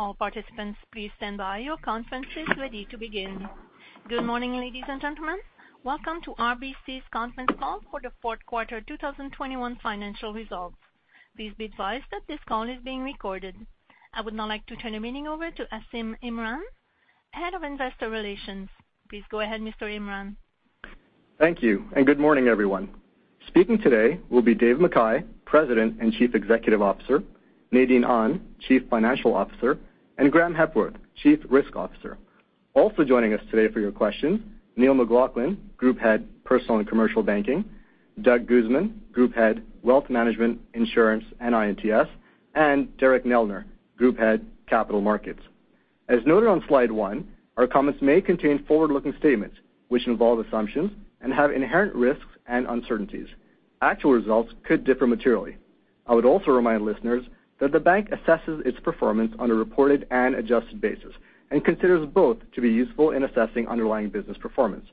Good morning, ladies and gentlemen. Welcome to RBC's conference call for the Q4 2021 financial results. Please be advised that this call is being recorded. I would now like to turn the meeting over to Asim Imran, Head of Investor Relations. Please go ahead, Mr. Imran. Thank you, and good morning, everyone. Speaking today will be Dave McKay, President and Chief Executive Officer, Nadine Ahn, Chief Financial Officer, and Graeme Hepworth, Chief Risk Officer. Also joining us today for your questions, Neil McLaughlin, Group Head, Personal and Commercial Banking, Doug Guzman, Group Head, Wealth Management, Insurance, and I&TS, and Derek Neldner, Group Head, Capital Markets. As noted on slide one, our comments may contain forward-looking statements which involve assumptions and have inherent risks and uncertainties. Actual results could differ materially. I would also remind listeners that the bank assesses its performance on a reported and adjusted basis and considers both to be useful in assessing underlying business performance.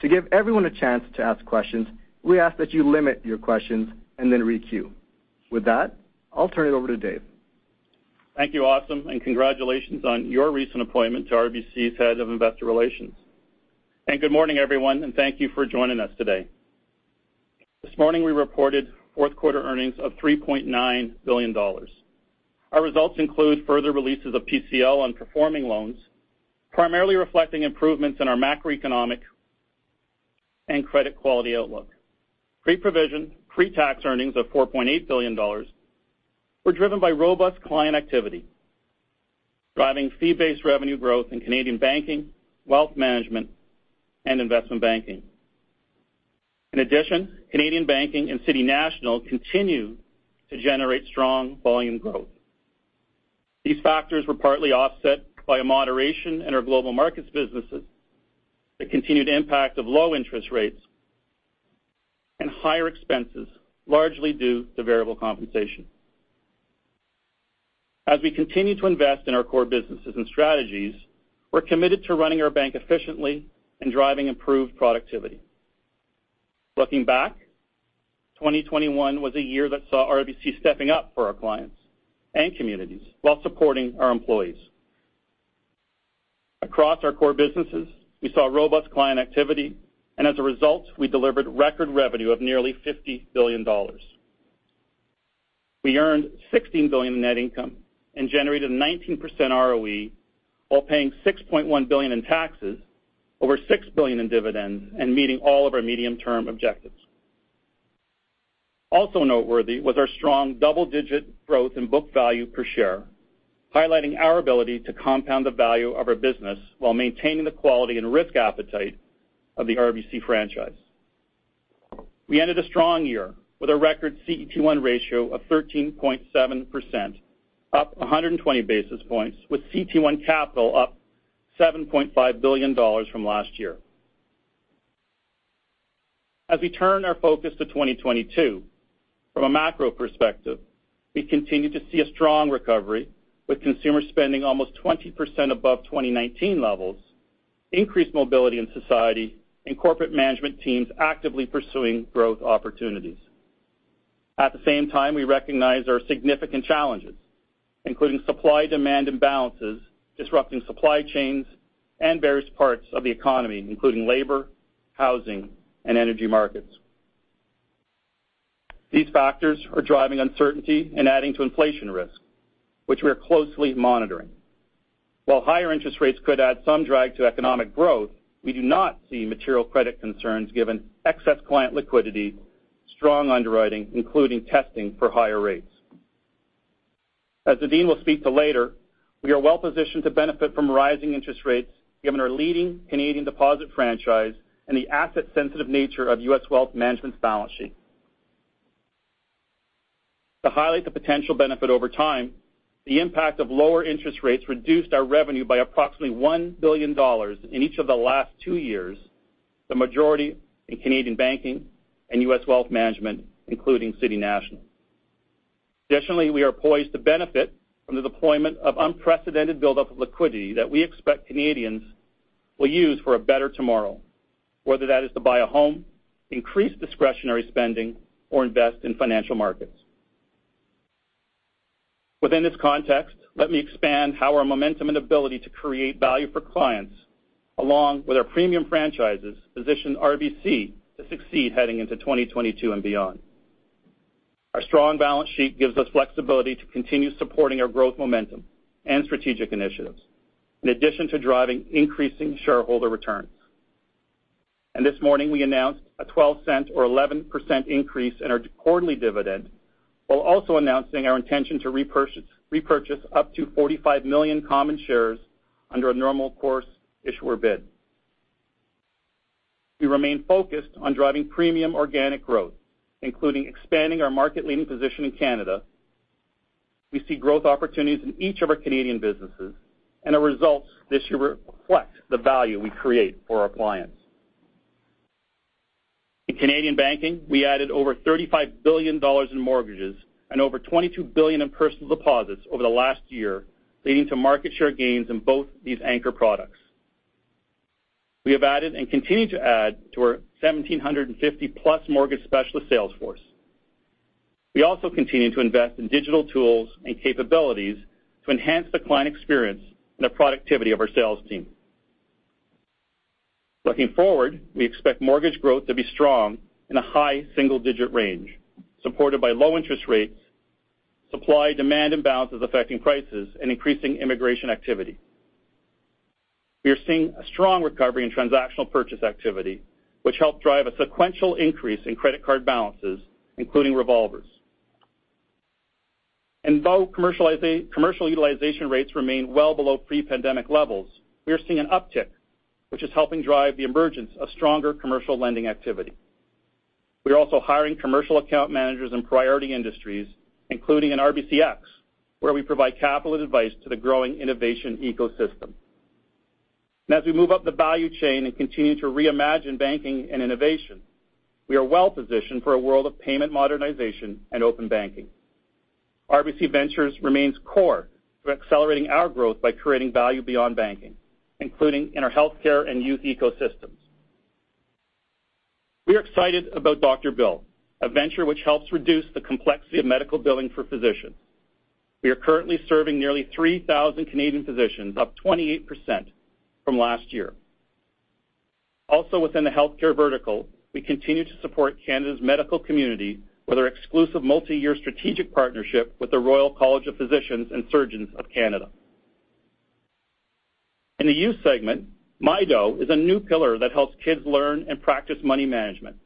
To give everyone a chance to ask questions, we ask that you limit your questions and then re-queue. With that, I'll turn it over to Dave. Thank you, Asim, and congratulations on your recent appointment to RBC's Head of Investor Relations. Good morning, everyone, and thank you for joining us today. This morning, we reported fourth quarter earnings of 3.9 billion dollars. Our results include further releases of PCL on performing loans, primarily reflecting improvements in our macroeconomic and credit quality outlook. Pre-provision, pre-tax earnings of 4.8 billion dollars were driven by robust client activity, driving fee-based revenue growth in Canadian Banking, Wealth Management, and Investment Banking. In addition, Canadian Banking and City National continue to generate strong volume growth. These factors were partly offset by a moderation in our global markets businesses, the continued impact of low interest rates, and higher expenses, largely due to variable compensation. As we continue to invest in our core businesses and strategies, we're committed to running our bank efficiently and driving improved productivity. Looking back, 2021 was a year that saw RBC stepping up for our clients and communities while supporting our employees. Across our core businesses, we saw robust client activity, and as a result, we delivered record revenue of nearly 50 billion dollars. We earned 16 billion in net income and generated 19% ROE while paying 6.1 billion in taxes, over 6 billion in dividends, and meeting all of our medium-term objectives. Also noteworthy was our strong double-digit growth in book value per share, highlighting our ability to compound the value of our business while maintaining the quality and risk appetite of the RBC franchise. We ended a strong year with a record CET1 ratio of 13.7%, up 120 basis points, with CET1 capital up 7.5 billion dollars from last year. As we turn our focus to 2022, from a macro perspective, we continue to see a strong recovery, with consumer spending almost 20% above 2019 levels, increased mobility in society, and corporate management teams actively pursuing growth opportunities. At the same time, we recognize our significant challenges, including supply-demand imbalances, disrupting supply chains and various parts of the economy, including labor, housing, and energy markets. These factors are driving uncertainty and adding to inflation risk, which we are closely monitoring. While higher interest rates could add some drag to economic growth, we do not see material credit concerns given excess client liquidity, strong underwriting, including testing for higher rates. As Nadine will speak to later, we are well-positioned to benefit from rising interest rates given our leading Canadian deposit franchise and the asset-sensitive nature of U.S. Wealth Management's balance sheet. To highlight the potential benefit over time, the impact of lower interest rates reduced our revenue by approximately 1 billion dollars in each of the last two years, the majority in Canadian Banking and U.S. Wealth Management, including City National. Additionally, we are poised to benefit from the deployment of unprecedented buildup of liquidity that we expect Canadians will use for a better tomorrow, whether that is to buy a home, increase discretionary spending, or invest in financial markets. Within this context, let me expand how our momentum and ability to create value for clients, along with our premium franchises, position RBC to succeed heading into 2022 and beyond. Our strong balance sheet gives us flexibility to continue supporting our growth momentum and strategic initiatives, in addition to driving increasing shareholder returns. This morning, we announced a 0.12 or 11% increase in our quarterly dividend while also announcing our intention to repurchase up to 45 million common shares under a normal course issuer bid. We remain focused on driving premium organic growth, including expanding our market-leading position in Canada. We see growth opportunities in each of our Canadian businesses, and our results this year reflect the value we create for our clients. In Canadian banking, we added over 35 billion dollars in mortgages and over 22 billion in personal deposits over the last year, leading to market share gains in both these anchor products. We have added and continue to add to our 1,750+ mortgage specialist sales force. We also continue to invest in digital tools and capabilities to enhance the client experience and the productivity of our sales team. Looking forward, we expect mortgage growth to be strong in a high single-digit range, supported by low interest rates, supply, demand imbalances affecting prices, and increasing immigration activity. We are seeing a strong recovery in transactional purchase activity, which helped drive a sequential increase in credit card balances, including revolvers. Though commercial utilization rates remain well below pre-pandemic levels, we are seeing an uptick, which is helping drive the emergence of stronger commercial lending activity. We are also hiring commercial account managers in priority industries, including in RBCx, where we provide capital and advice to the growing innovation ecosystem. As we move up the value chain and continue to reimagine banking and innovation, we are well positioned for a world of payment modernization and open banking. RBC Ventures remains core to accelerating our growth by creating value beyond banking, including in our healthcare and youth ecosystems. We are excited about Dr. Bill, a venture which helps reduce the complexity of medical billing for physicians. We are currently serving nearly 3,000 Canadian physicians, up 28% from last year. Also within the healthcare vertical, we continue to support Canada's medical community with our exclusive multi-year strategic partnership with the Royal College of Physicians and Surgeons of Canada. In the youth segment, Mydoh is a new pillar that helps kids learn and practice money management.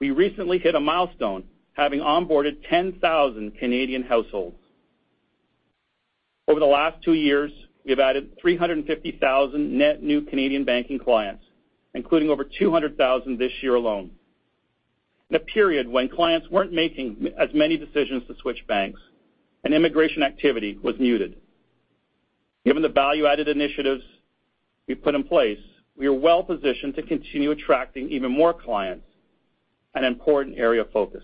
We recently hit a milestone, having onboarded 10,000 Canadian households. Over the last two years, we have added 350,000 net new Canadian banking clients, including over 200,000 this year alone. In a period when clients weren't making as many decisions to switch banks, and immigration activity was muted. Given the value-added initiatives we put in place, we are well positioned to continue attracting even more clients, an important area of focus.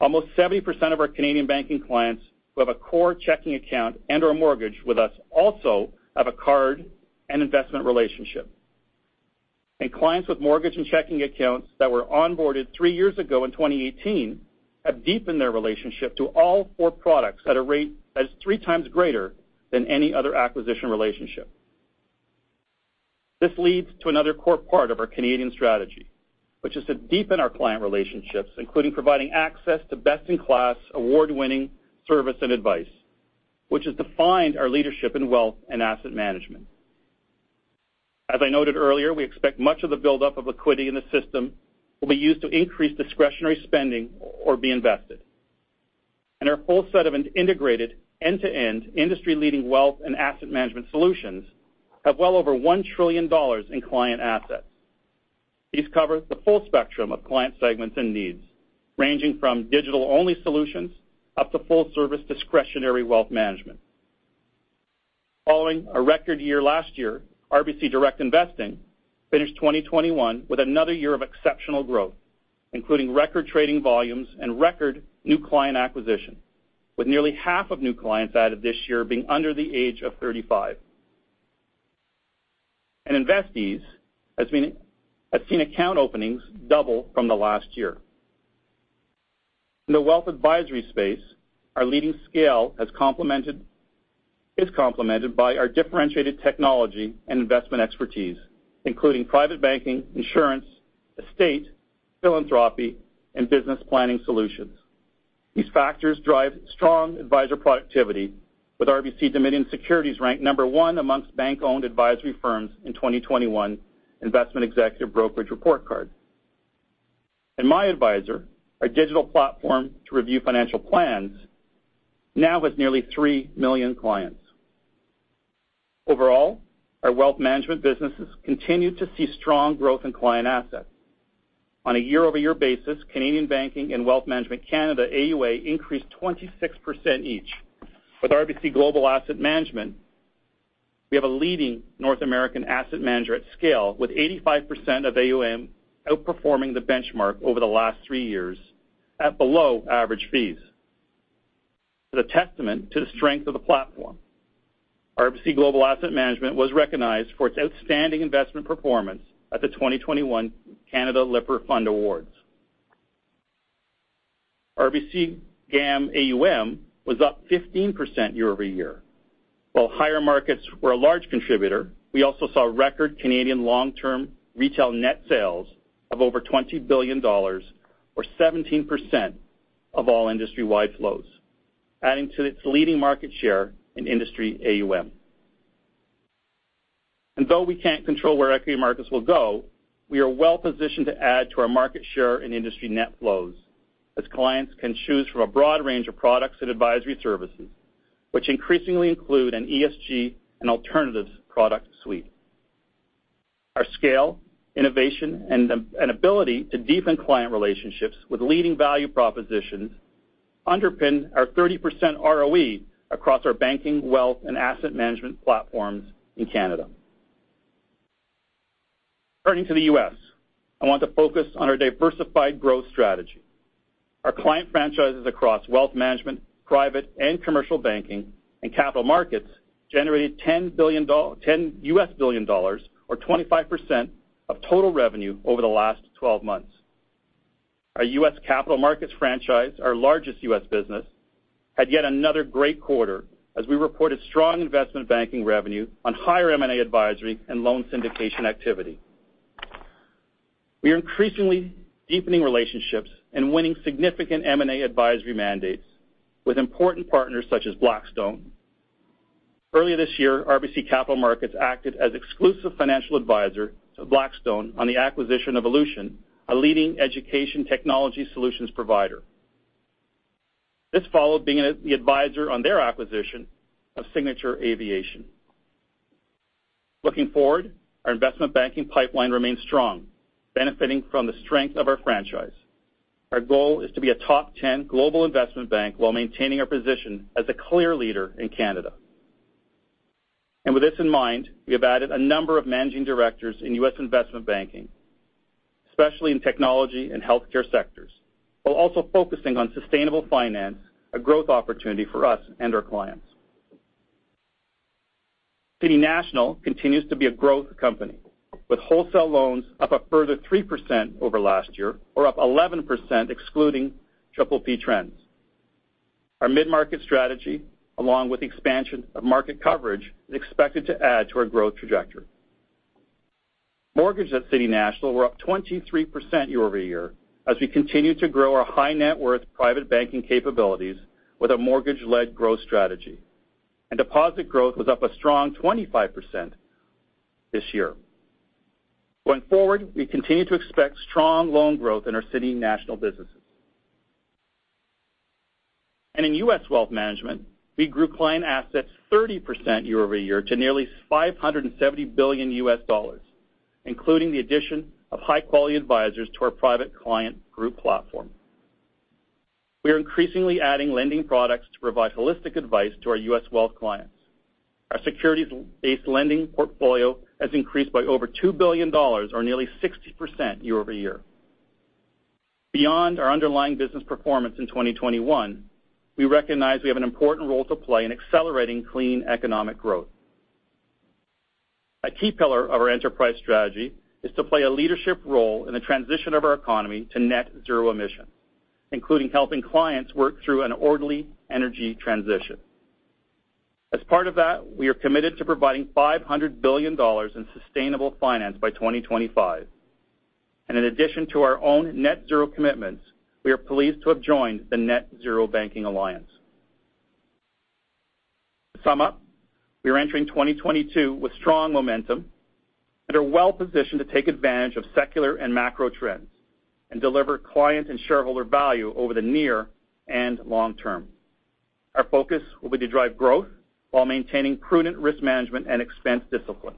Almost 70% of our Canadian banking clients who have a core checking account and/or mortgage with us also have a card and investment relationship. Clients with mortgage and checking accounts that were onboarded three years ago in 2018 have deepened their relationship to all four products at a rate that is three times greater than any other acquisition relationship. This leads to another core part of our Canadian strategy, which is to deepen our client relationships, including providing access to best-in-class, award-winning service and advice, which has defined our leadership in wealth and asset management. As I noted earlier, we expect much of the buildup of liquidity in the system will be used to increase discretionary spending or be invested. Our full set of an integrated end-to-end industry-leading wealth and asset management solutions have well over 1 trillion dollars in client assets. These cover the full spectrum of client segments and needs, ranging from digital-only solutions up to full-service discretionary wealth management. Following a record year last year, RBC Direct Investing finished 2021 with another year of exceptional growth, including record trading volumes and record new client acquisition, with nearly half of new clients added this year being under the age of 35. InvestEase has seen account openings double from the last year. In the wealth advisory space, our leading scale is complemented by our differentiated technology and investment expertise, including private banking, insurance, estate, philanthropy, and business planning solutions. These factors drive strong advisor productivity, with RBC Dominion Securities ranked number 1 amongst bank-owned advisory firms in 2021 Investment Executive Brokerage Report Card. MyAdvisor, our digital platform to review financial plans, now has nearly 3 million clients. Overall, our wealth management businesses continue to see strong growth in client assets. On a year-over-year basis, Canadian banking and Wealth Management Canada AUA increased 26% each. With RBC Global Asset Management, we have a leading North American asset manager at scale, with 85% of AUM outperforming the benchmark over the last 3 years at below average fees. As a testament to the strength of the platform, RBC Global Asset Management was recognized for its outstanding investment performance at the 2021 Refinitiv Lipper Fund Awards. RBC GAM AUM was up 15% year over year. While higher markets were a large contributor, we also saw record Canadian long-term retail net sales of over 20 billion dollars or 17% of all industry-wide flows, adding to its leading market share in industry AUM. Though we can't control where equity markets will go, we are well positioned to add to our market share in industry net flows, as clients can choose from a broad range of products and advisory services, which increasingly include an ESG and alternatives product suite. Our scale, innovation, and ability to deepen client relationships with leading value propositions underpin our 30% ROE across our banking, wealth, and asset management platforms in Canada. Turning to the U.S., I want to focus on our diversified growth strategy. Our client franchises across wealth management, private and commercial banking, and capital markets generated $10 billion or 25% of total revenue over the last 12 months. Our U.S. Capital Markets franchise, our largest U.S. business, had yet another great quarter as we reported strong investment banking revenue on higher M&A advisory and loan syndication activity. We are increasingly deepening relationships and winning significant M&A advisory mandates with important partners such as Blackstone. Earlier this year, RBC Capital Markets acted as exclusive financial advisor to Blackstone on the acquisition of Ellucian, a leading education technology solutions provider. This followed being the advisor on their acquisition of Signature Aviation. Looking forward, our investment banking pipeline remains strong, benefiting from the strength of our franchise. Our goal is to be a top 10 global investment bank while maintaining our position as a clear leader in Canada. With this in mind, we have added a number of managing directors in U.S. investment banking, especially in technology and healthcare sectors, while also focusing on sustainable finance, a growth opportunity for us and our clients. City National continues to be a growth company, with wholesale loans up a further 3% over last year or up 11% excluding PPP trends. Our mid-market strategy, along with expansion of market coverage, is expected to add to our growth trajectory. Mortgages at City National were up 23% year-over-year as we continue to grow our high net worth private banking capabilities with a mortgage-led growth strategy. Deposit growth was up a strong 25% this year. Going forward, we continue to expect strong loan growth in our City National businesses. In U.S. Wealth Management, we grew client assets 30% year-over-year to nearly $570 billion, including the addition of high-quality advisors to our private client group platform. We are increasingly adding lending products to provide holistic advice to our U.S. Wealth clients. Our securities-based lending portfolio has increased by over 2 billion dollars or nearly 60% year-over-year. Beyond our underlying business performance in 2021, we recognize we have an important role to play in accelerating clean economic growth. A key pillar of our enterprise strategy is to play a leadership role in the transition of our economy to net-zero emissions, including helping clients work through an orderly energy transition. As part of that, we are committed to providing 500 billion dollars in sustainable finance by 2025. In addition to our own net zero commitments, we are pleased to have joined the Net-Zero Banking Alliance. To sum up, we are entering 2022 with strong momentum and are well-positioned to take advantage of secular and macro trends and deliver client and shareholder value over the near and long term. Our focus will be to drive growth while maintaining prudent risk management and expense discipline.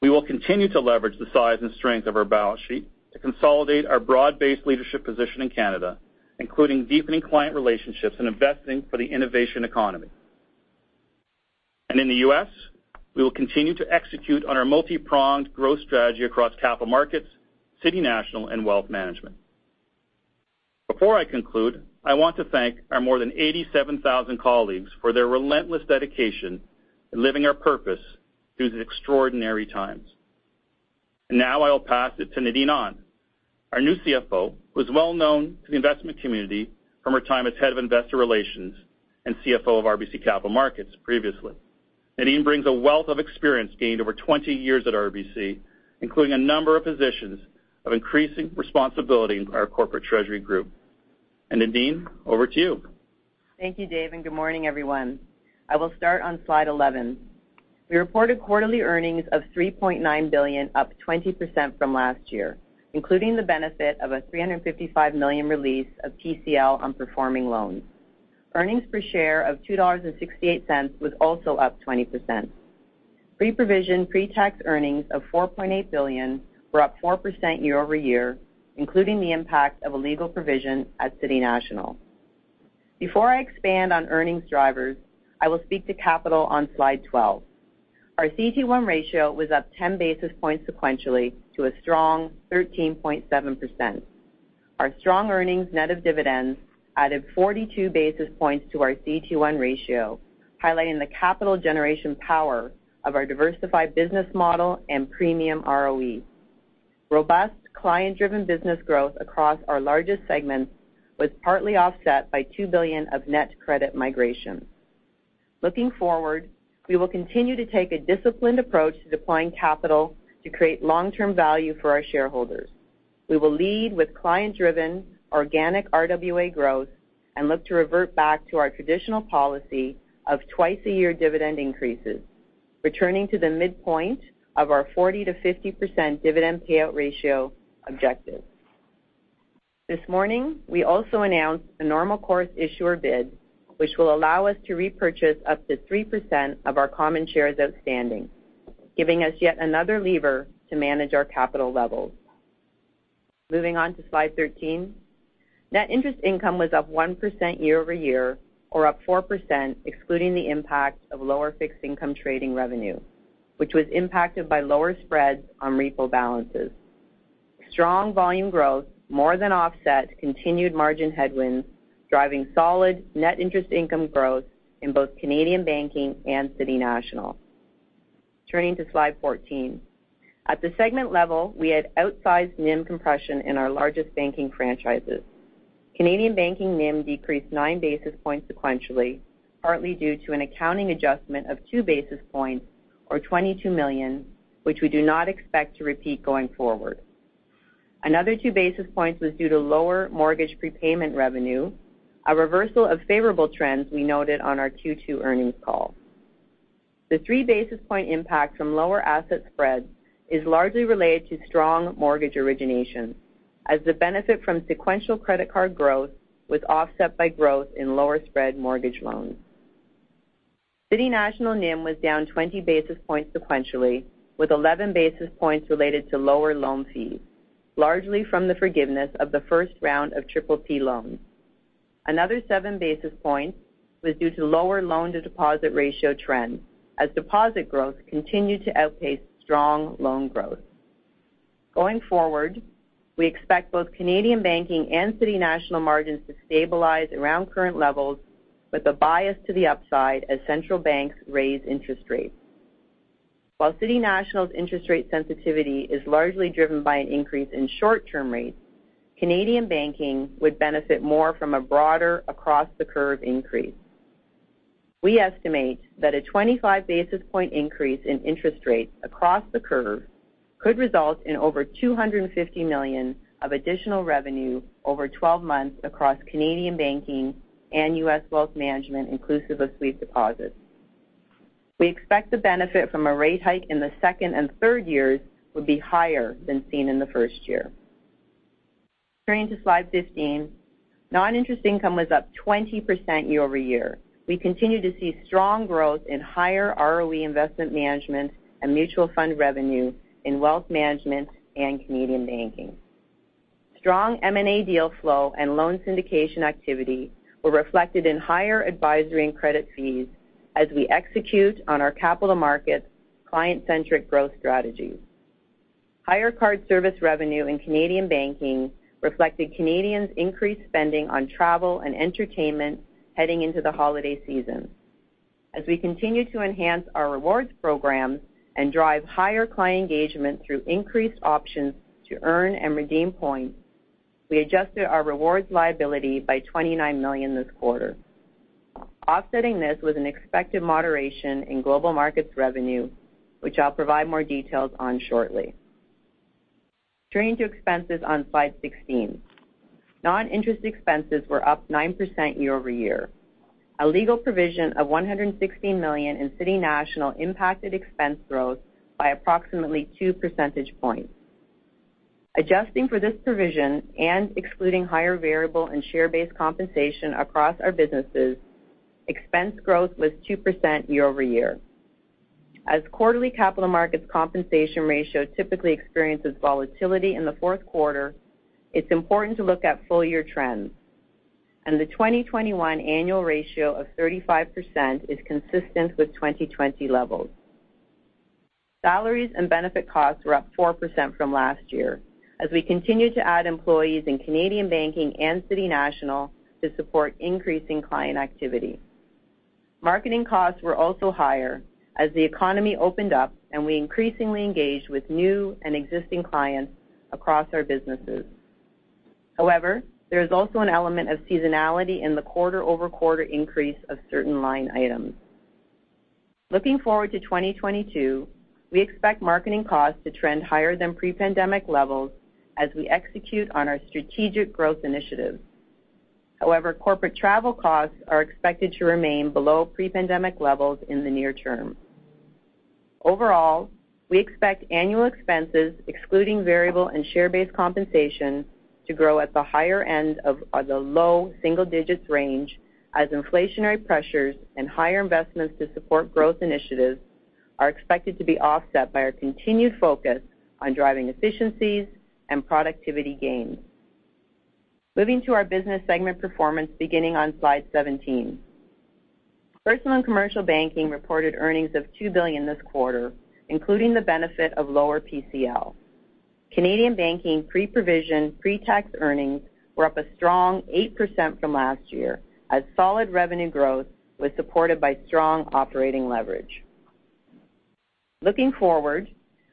We will continue to leverage the size and strength of our balance sheet to consolidate our broad-based leadership position in Canada, including deepening client relationships and investing for the innovation economy. In the U.S., we will continue to execute on our multi-pronged growth strategy across capital markets, City National and Wealth Management. Before I conclude, I want to thank our more than 87,000 colleagues for their relentless dedication in living our purpose through these extraordinary times. Now I will pass it to Nadine Ahn. Our new CFO, who is well-known to the investment community from her time as head of investor relations and CFO of RBC Capital Markets previously. Nadine brings a wealth of experience gained over 20 years at RBC, including a number of positions of increasing responsibility in our corporate treasury group. Nadine, over to you. Thank you, Dave, and good morning, everyone. I will start on slide 11. We reported quarterly earnings of 3.9 billion, up 20% from last year, including the benefit of a 355 million release of PCL on performing loans. Earnings per share of 2.68 dollars was also up 20%. Pre-provision, pre-tax earnings of 4.8 billion were up 4% year-over-year, including the impact of a legal provision at City National. Before I expand on earnings drivers, I will speak to capital on slide 12. Our CET1 ratio was up 10 basis points sequentially to a strong 13.7%. Our strong earnings net of dividends added 42 basis points to our CET1 ratio, highlighting the capital generation power of our diversified business model and premium ROE. Robust client-driven business growth across our largest segments was partly offset by 2 billion of net credit migration. Looking forward, we will continue to take a disciplined approach to deploying capital to create long-term value for our shareholders. We will lead with client-driven organic RWA growth and look to revert back to our traditional policy of twice-a-year dividend increases, returning to the midpoint of our 40%-50% dividend payout ratio objective. This morning, we also announced a normal course issuer bid, which will allow us to repurchase up to 3% of our common shares outstanding, giving us yet another lever to manage our capital levels. Moving on to slide 13. Net interest income was up 1% year-over-year, or up 4% excluding the impact of lower fixed income trading revenue, which was impacted by lower spreads on repo balances. Strong volume growth more than offset continued margin headwinds, driving solid net interest income growth in both Canadian Banking and City National. Turning to slide 14. At the segment level, we had outsized NIM compression in our largest banking franchises. Canadian Banking NIM decreased 9 basis points sequentially, partly due to an accounting adjustment of 2 basis points or 22 million, which we do not expect to repeat going forward. Another 2 basis points was due to lower mortgage prepayment revenue, a reversal of favorable trends we noted on our Q2 earnings call. The 3 basis point impact from lower asset spreads is largely related to strong mortgage originations, as the benefit from sequential credit card growth was offset by growth in lower spread mortgage loans. City National NIM was down 20 basis points sequentially, with 11 basis points related to lower loan fees, largely from the forgiveness of the first round of PPP loans. Another seven basis points was due to lower loan-to-deposit ratio trends as deposit growth continued to outpace strong loan growth. Going forward, we expect both Canadian Banking and City National margins to stabilize around current levels with a bias to the upside as central banks raise interest rates. While City National's interest rate sensitivity is largely driven by an increase in short-term rates, Canadian Banking would benefit more from a broader across-the-curve increase. We estimate that a 25 basis point increase in interest rates across the curve could result in over 250 million of additional revenue over 12 months across Canadian Banking and U.S. wealth management, inclusive of sweep deposits. We expect the benefit from a rate hike in the second and third years will be higher than seen in the first year. Turning to slide 15. Non-interest income was up 20% year-over-year. We continue to see strong growth in higher ROE investment management and mutual fund revenue in Wealth Management and Canadian Banking. Strong M&A deal flow and loan syndication activity were reflected in higher advisory and credit fees as we execute on our capital markets client-centric growth strategies. Higher card service revenue in Canadian Banking reflected Canadians' increased spending on travel and entertainment heading into the holiday season. As we continue to enhance our rewards programs and drive higher client engagement through increased options to earn and redeem points, we adjusted our rewards liability by 29 million this quarter. Offsetting this was an expected moderation in global markets revenue, which I'll provide more details on shortly. Turning to expenses on slide 16. Non-interest expenses were up 9% year-over-year. A legal provision of 160 million in City National impacted expense growth by approximately two percentage points. Adjusting for this provision and excluding higher variable and share-based compensation across our businesses, expense growth was 2% year-over-year. As quarterly capital markets compensation ratio typically experiences volatility in the fourth quarter, it's important to look at full-year trends. The 2021 annual ratio of 35% is consistent with 2020 levels. Salaries and benefit costs were up 4% from last year as we continue to add employees in Canadian Banking and City National to support increasing client activity. Marketing costs were also higher as the economy opened up and we increasingly engaged with new and existing clients across our businesses. However, there is also an element of seasonality in the quarter-over-quarter increase of certain line items. Looking forward to 2022, we expect marketing costs to trend higher than pre-pandemic levels as we execute on our strategic growth initiatives. However, corporate travel costs are expected to remain below pre-pandemic levels in the near term. Overall, we expect annual expenses, excluding variable and share-based compensation, to grow at the higher end of the low single-digits range as inflationary pressures and higher investments to support growth initiatives are expected to be offset by our continued focus on driving efficiencies and productivity gains. Moving to our business segment performance beginning on slide 17. Personal and Commercial Banking reported earnings of 2 billion this quarter, including the benefit of lower PCL. Canadian Banking pre-provision, pre-tax earnings were up a strong 8% from last year as solid revenue growth was supported by strong operating leverage. Looking forward,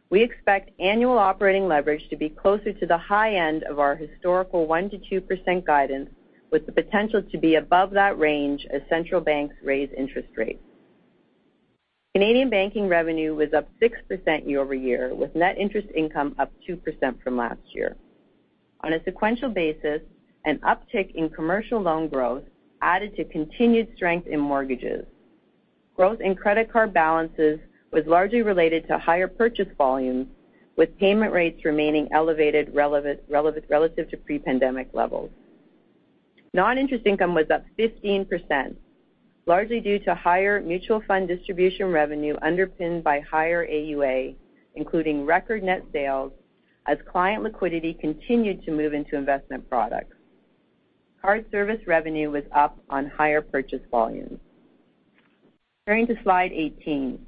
we expect annual operating leverage to be closer to the high end of our historical 1%-2% guidance, with the potential to be above that range as central banks raise interest rates. Canadian Banking revenue was up 6% year-over-year, with net interest income up 2% from last year. On a sequential basis, an uptick in commercial loan growth added to continued strength in mortgages. Growth in credit card balances was largely related to higher purchase volumes, with payment rates remaining elevated relative to pre-pandemic levels. Non-interest income was up 15%, largely due to higher mutual fund distribution revenue underpinned by higher AUA, including record net sales as client liquidity continued to move into investment products. Card service revenue was up on higher purchase volumes. Turning to slide 18.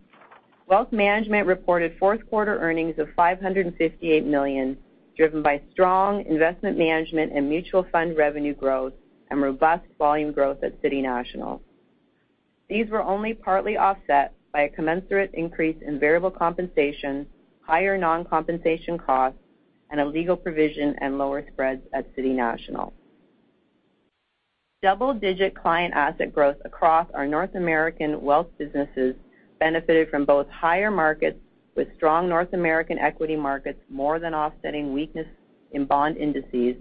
Wealth Management reported fourth quarter earnings of 558 million, driven by strong investment management and mutual fund revenue growth and robust volume growth at City National. These were only partly offset by a commensurate increase in variable compensation, higher non-compensation costs, and a legal provision and lower spreads at City National. Double-digit client asset growth across our North American wealth businesses benefited from both higher markets with strong North American equity markets more than offsetting weakness in bond indices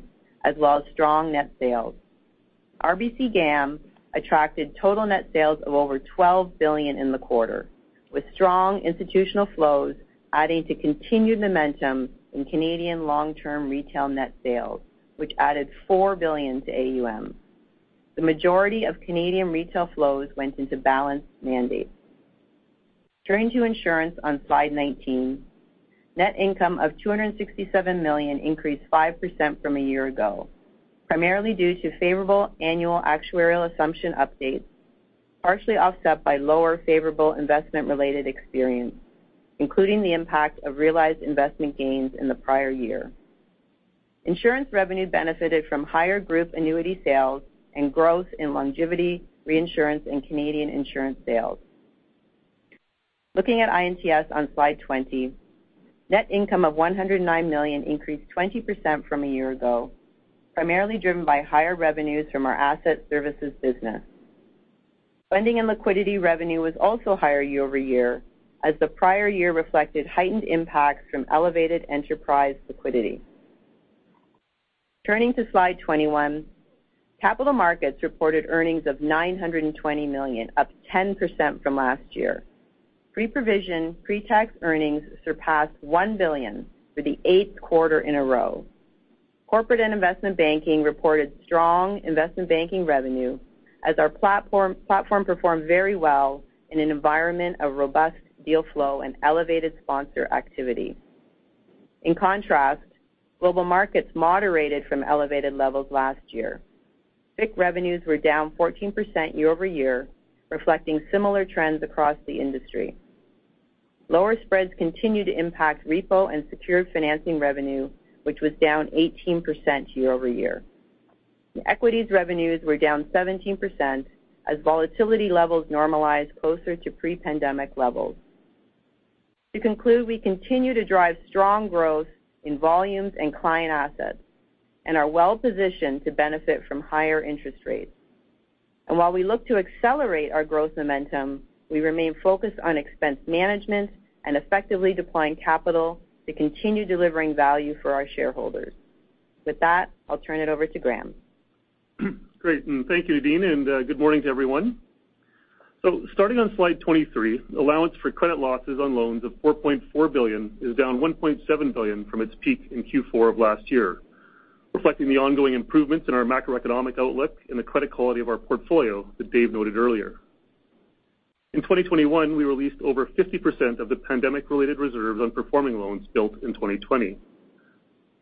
as well as strong net sales. RBC GAM attracted total net sales of over CAD 12 billion in the quarter, with strong institutional flows adding to continued momentum in Canadian long-term retail net sales, which added 4 billion to AUM. The majority of Canadian retail flows went into balanced mandates. Turning to insurance on slide 19. Net income of 267 million increased 5% from a year ago, primarily due to favorable annual actuarial assumption updates, partially offset by lower favorable investment-related experience, including the impact of realized investment gains in the prior year. Insurance revenue benefited from higher group annuity sales and growth in longevity, reinsurance, and Canadian insurance sales. Looking at I&TS on slide 20. Net income of 109 million increased 20% from a year ago, primarily driven by higher revenues from our asset services business. Funding and liquidity revenue was also higher year-over-year as the prior year reflected heightened impacts from elevated enterprise liquidity. Turning to slide 21. Capital Markets reported earnings of 920 million, up 10% from last year. Pre-provision, pre-tax earnings surpassed 1 billion for the eighth quarter in a row. Corporate and Investment Banking reported strong investment banking revenue as our platform performed very well in an environment of robust deal flow and elevated sponsor activity. In contrast, Global Markets moderated from elevated levels last year. FICC revenues were down 14% year-over-year, reflecting similar trends across the industry. Lower spreads continue to impact repo and secured financing revenue, which was down 18% year-over-year. Equities revenues were down 17% as volatility levels normalized closer to pre-pandemic levels. To conclude, we continue to drive strong growth in volumes and client assets and are well-positioned to benefit from higher interest rates. While we look to accelerate our growth momentum, we remain focused on expense management and effectively deploying capital to continue delivering value for our shareholders. With that, I'll turn it over to Graeme. Great. Thank you, Nadine, and good morning to everyone. Starting on slide 23, allowance for credit losses on loans of 4.4 billion is down 1.7 billion from its peak in Q4 of last year, reflecting the ongoing improvements in our macroeconomic outlook and the credit quality of our portfolio that Dave noted earlier. In 2021, we released over 50% of the pandemic-related reserves on performing loans built in 2020.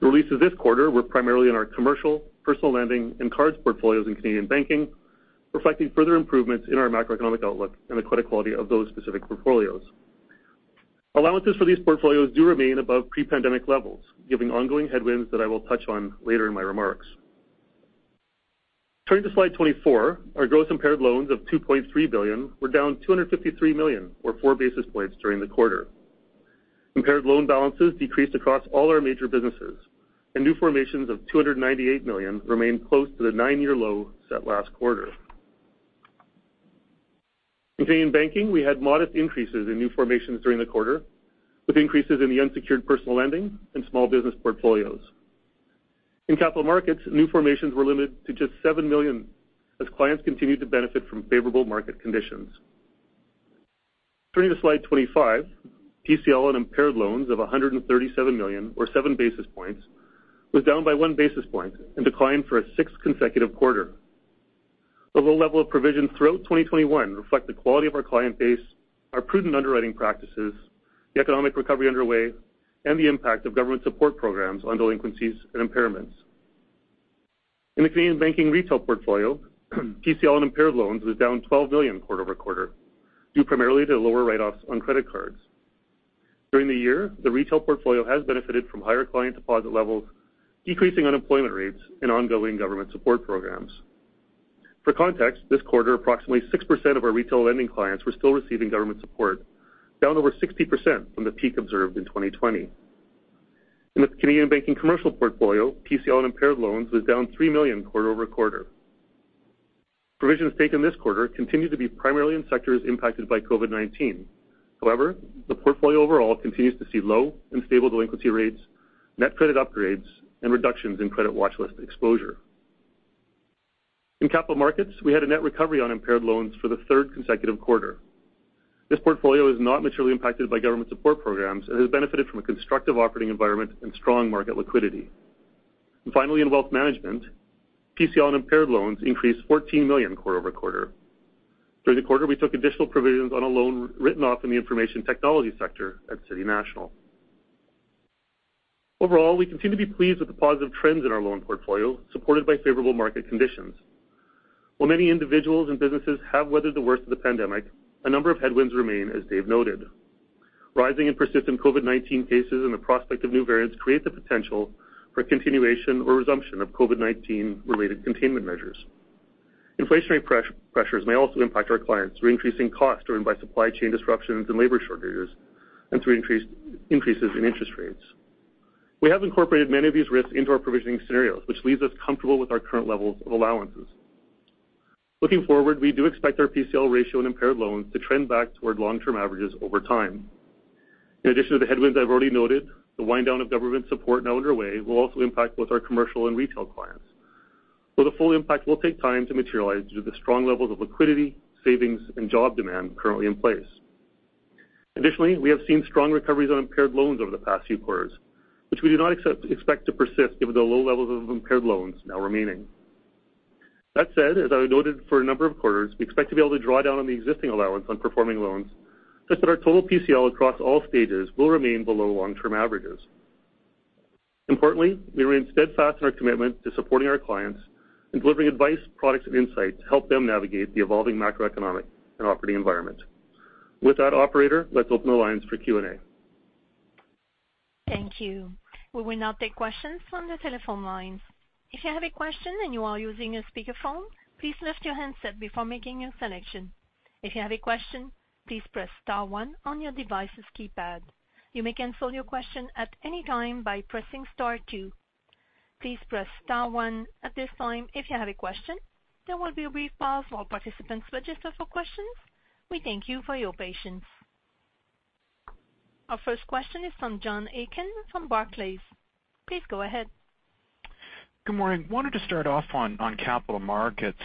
The releases this quarter were primarily in our commercial, personal lending, and cards portfolios in Canadian banking, reflecting further improvements in our macroeconomic outlook and the credit quality of those specific portfolios. Allowances for these portfolios do remain above pre-pandemic levels, given ongoing headwinds that I will touch on later in my remarks. Turning to slide 24. Our gross impaired loans of 2.3 billion were down 253 million, or 4 basis points during the quarter. Impaired loan balances decreased across all our major businesses, and new formations of 298 million remained close to the 9-year low set last quarter. In Canadian banking, we had modest increases in new formations during the quarter, with increases in the unsecured personal lending and small business portfolios. In capital markets, new formations were limited to just 7 million as clients continued to benefit from favorable market conditions. Turning to slide 25. PCL and impaired loans of 137 million or 7 basis points was down by 1 basis point and declined for a sixth consecutive quarter. Overall level of provisions throughout 2021 reflect the quality of our client base, our prudent underwriting practices, the economic recovery underway, and the impact of government support programs on delinquencies and impairments. In the Canadian banking retail portfolio, PCL and impaired loans was down 12 million quarter-over-quarter, due primarily to lower write-offs on credit cards. During the year, the retail portfolio has benefited from higher client deposit levels, decreasing unemployment rates, and ongoing government support programs. For context, this quarter, approximately 6% of our retail lending clients were still receiving government support, down over 60% from the peak observed in 2020. In the Canadian banking commercial portfolio, PCL and impaired loans was down 3 million quarter-over-quarter. Provisions taken this quarter continued to be primarily in sectors impacted by COVID-19. However, the portfolio overall continues to see low and stable delinquency rates, net credit upgrades, and reductions in credit watchlist exposure. In capital markets, we had a net recovery on impaired loans for the third consecutive quarter. This portfolio is not materially impacted by government support programs and has benefited from a constructive operating environment and strong market liquidity. Finally, in wealth management, PCL and impaired loans increased 14 million quarter-over-quarter. During the quarter, we took additional provisions on a loan written off in the information technology sector at City National. Overall, we continue to be pleased with the positive trends in our loan portfolio, supported by favorable market conditions. While many individuals and businesses have weathered the worst of the pandemic, a number of headwinds remain, as Dave noted. Rising and persistent COVID-19 cases and the prospect of new variants create the potential for continuation or resumption of COVID-19 related containment measures. Inflationary pressures may also impact our clients through increasing costs driven by supply chain disruptions and labor shortages and through increases in interest rates. We have incorporated many of these risks into our provisioning scenarios, which leaves us comfortable with our current levels of allowances. Looking forward, we do expect our PCL ratio and impaired loans to trend back toward long-term averages over time. In addition to the headwinds I've already noted, the wind down of government support now underway will also impact both our commercial and retail clients, though the full impact will take time to materialize due to the strong levels of liquidity, savings, and job demand currently in place. Additionally, we have seen strong recoveries on impaired loans over the past few quarters, which we do not expect to persist given the low levels of impaired loans now remaining. That said, as I noted for a number of quarters, we expect to be able to draw down on the existing allowance on performing loans such that our total PCL across all stages will remain below long-term averages. Importantly, we remain steadfast in our commitment to supporting our clients and delivering advice, products, and insights to help them navigate the evolving macroeconomic and operating environment. With that, operator, let's open the lines for Q&A. Thank you. We will now take questions from the telephone lines. If you have a question and you are using a speakerphone, please lift your handset before making your selection. If you have a question, please press star one on your device's keypad. You may cancel your question at any time by pressing star two. Please press star one at this time if you have a question. There will be a brief pause while participants register for questions. We thank you for your patience. Our first question is from John Aiken from Barclays. Please go ahead. Good morning. Wanted to start off on capital markets.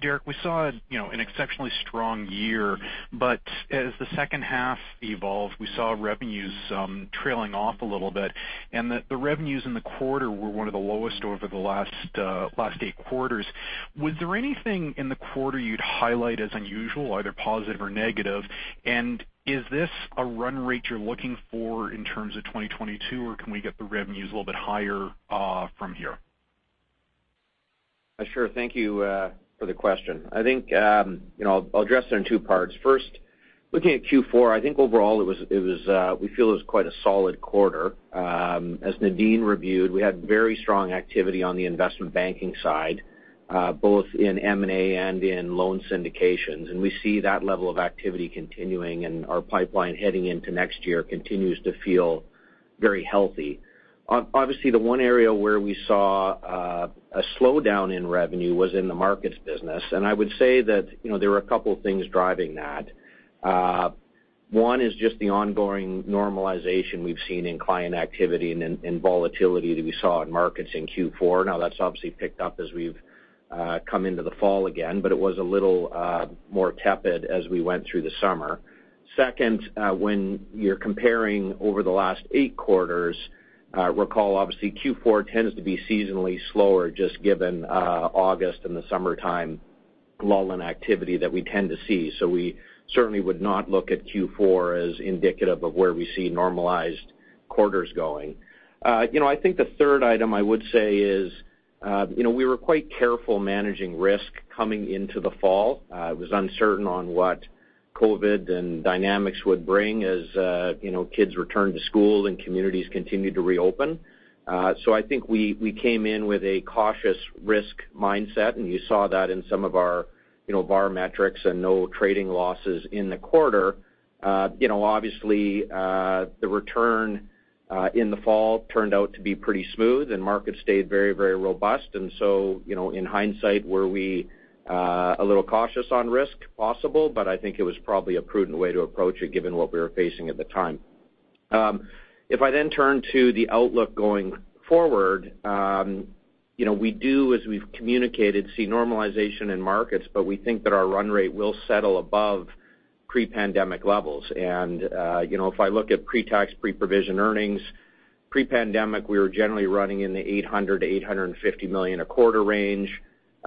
Derek, we saw, you know, an exceptionally strong year. As the second half evolved, we saw revenues trailing off a little bit, and the revenues in the quarter were one of the lowest over the last eight quarters. Was there anything in the quarter you'd highlight as unusual, either positive or negative? Is this a run rate you're looking for in terms of 2022 or can we get the revenues a little bit higher from here? Sure. Thank you for the question. I think, you know, I'll address it in two parts. First, looking at Q4, I think overall it was we feel it was quite a solid quarter. As Nadine reviewed, we had very strong activity on the investment banking side, both in M&A and in loan syndications. We see that level of activity continuing and our pipeline heading into next year continues to feel very healthy. Obviously, the one area where we saw a slowdown in revenue was in the markets business. I would say that, you know, there were a couple things driving that. One is just the ongoing normalization we've seen in client activity and in volatility that we saw in markets in Q4. Now, that's obviously picked up as we've come into the fall again, but it was a little more tepid as we went through the summer. Second, when you're comparing over the last eight quarters, recall obviously Q4 tends to be seasonally slower just given August and the summertime lull in activity that we tend to see. So we certainly would not look at Q4 as indicative of where we see normalized quarters going. You know, I think the third item I would say is, you know, we were quite careful managing risk coming into the fall. It was uncertain on what COVID and dynamics would bring as, you know, kids returned to school and communities continued to reopen. I think we came in with a cautious risk mindset, and you saw that in some of our, you know, VaR metrics and no trading losses in the quarter. You know, obviously, the return in the fall turned out to be pretty smooth and markets stayed very, very robust. You know, in hindsight, were we a little cautious on risk? Possible, but I think it was probably a prudent way to approach it given what we were facing at the time. If I then turn to the outlook going forward, you know, we do, as we've communicated, see normalization in markets, but we think that our run rate will settle above pre-pandemic levels. You know, if I look at pre-tax, pre-provision earnings, pre-pandemic, we were generally running in the 800 million-850 million a quarter range.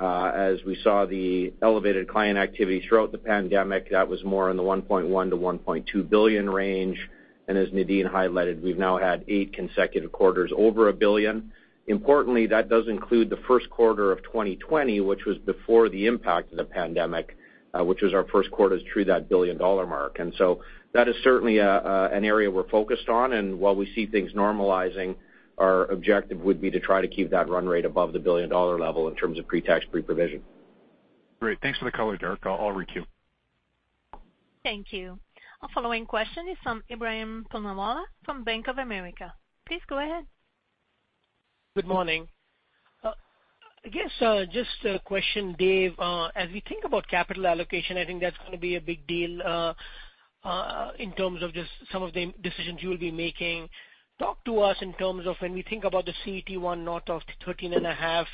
As we saw the elevated client activity throughout the pandemic, that was more in the 1.1 billion-1.2 billion range. As Nadine highlighted, we've now had eight consecutive quarters over 1 billion. Importantly, that does include the first quarter of 2020, which was before the impact of the pandemic, which was our first quarter to that 1 billion dollar mark. That is certainly an area we're focused on. While we see things normalizing, our objective would be to try to keep that run rate above the 1 billion dollar level in terms of pre-tax, pre-provision. Great. Thanks for the color, Derek. I'll requeue. Thank you. Our following question is from Ebrahim Poonawala from Bank of America. Please go ahead. Good morning. I guess, just a question, Dave. As we think about capital allocation, I think that's gonna be a big deal, in terms of just some of the decisions you will be making. Talk to us in terms of when we think about the CET1 ratio of 13.5,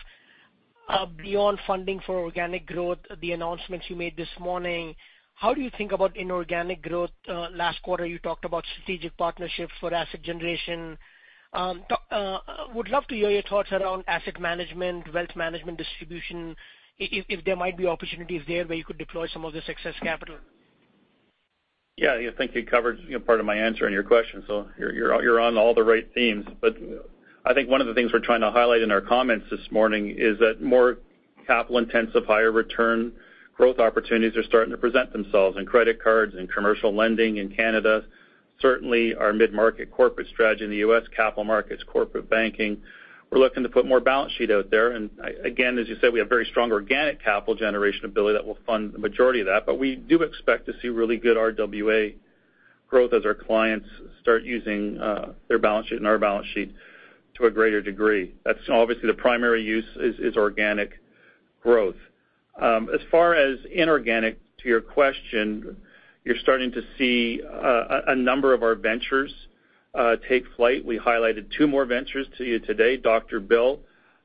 beyond funding for organic growth, the announcements you made this morning, how do you think about inorganic growth? Last quarter, you talked about strategic partnerships for asset generation. Talk, would love to hear your thoughts around asset management, wealth management, distribution, if there might be opportunities there where you could deploy some of this excess capital. Yeah, I think you covered, you know, part of my answer in your question. You're on all the right themes. I think one of the things we're trying to highlight in our comments this morning is that more capital-intensive, higher return growth opportunities are starting to present themselves in credit cards and commercial lending in Canada. Certainly, our mid-market corporate strategy in the U.S. capital markets, corporate banking, we're looking to put more balance sheet out there. Again, as you said, we have very strong organic capital generation ability that will fund the majority of that. We do expect to see really good RWA growth as our clients start using their balance sheet and our balance sheet to a greater degree. That's obviously the primary use is organic growth. As far as inorganic to your question, you're starting to see a number of our ventures take flight. We highlighted two more ventures to you today, Dr. Bill,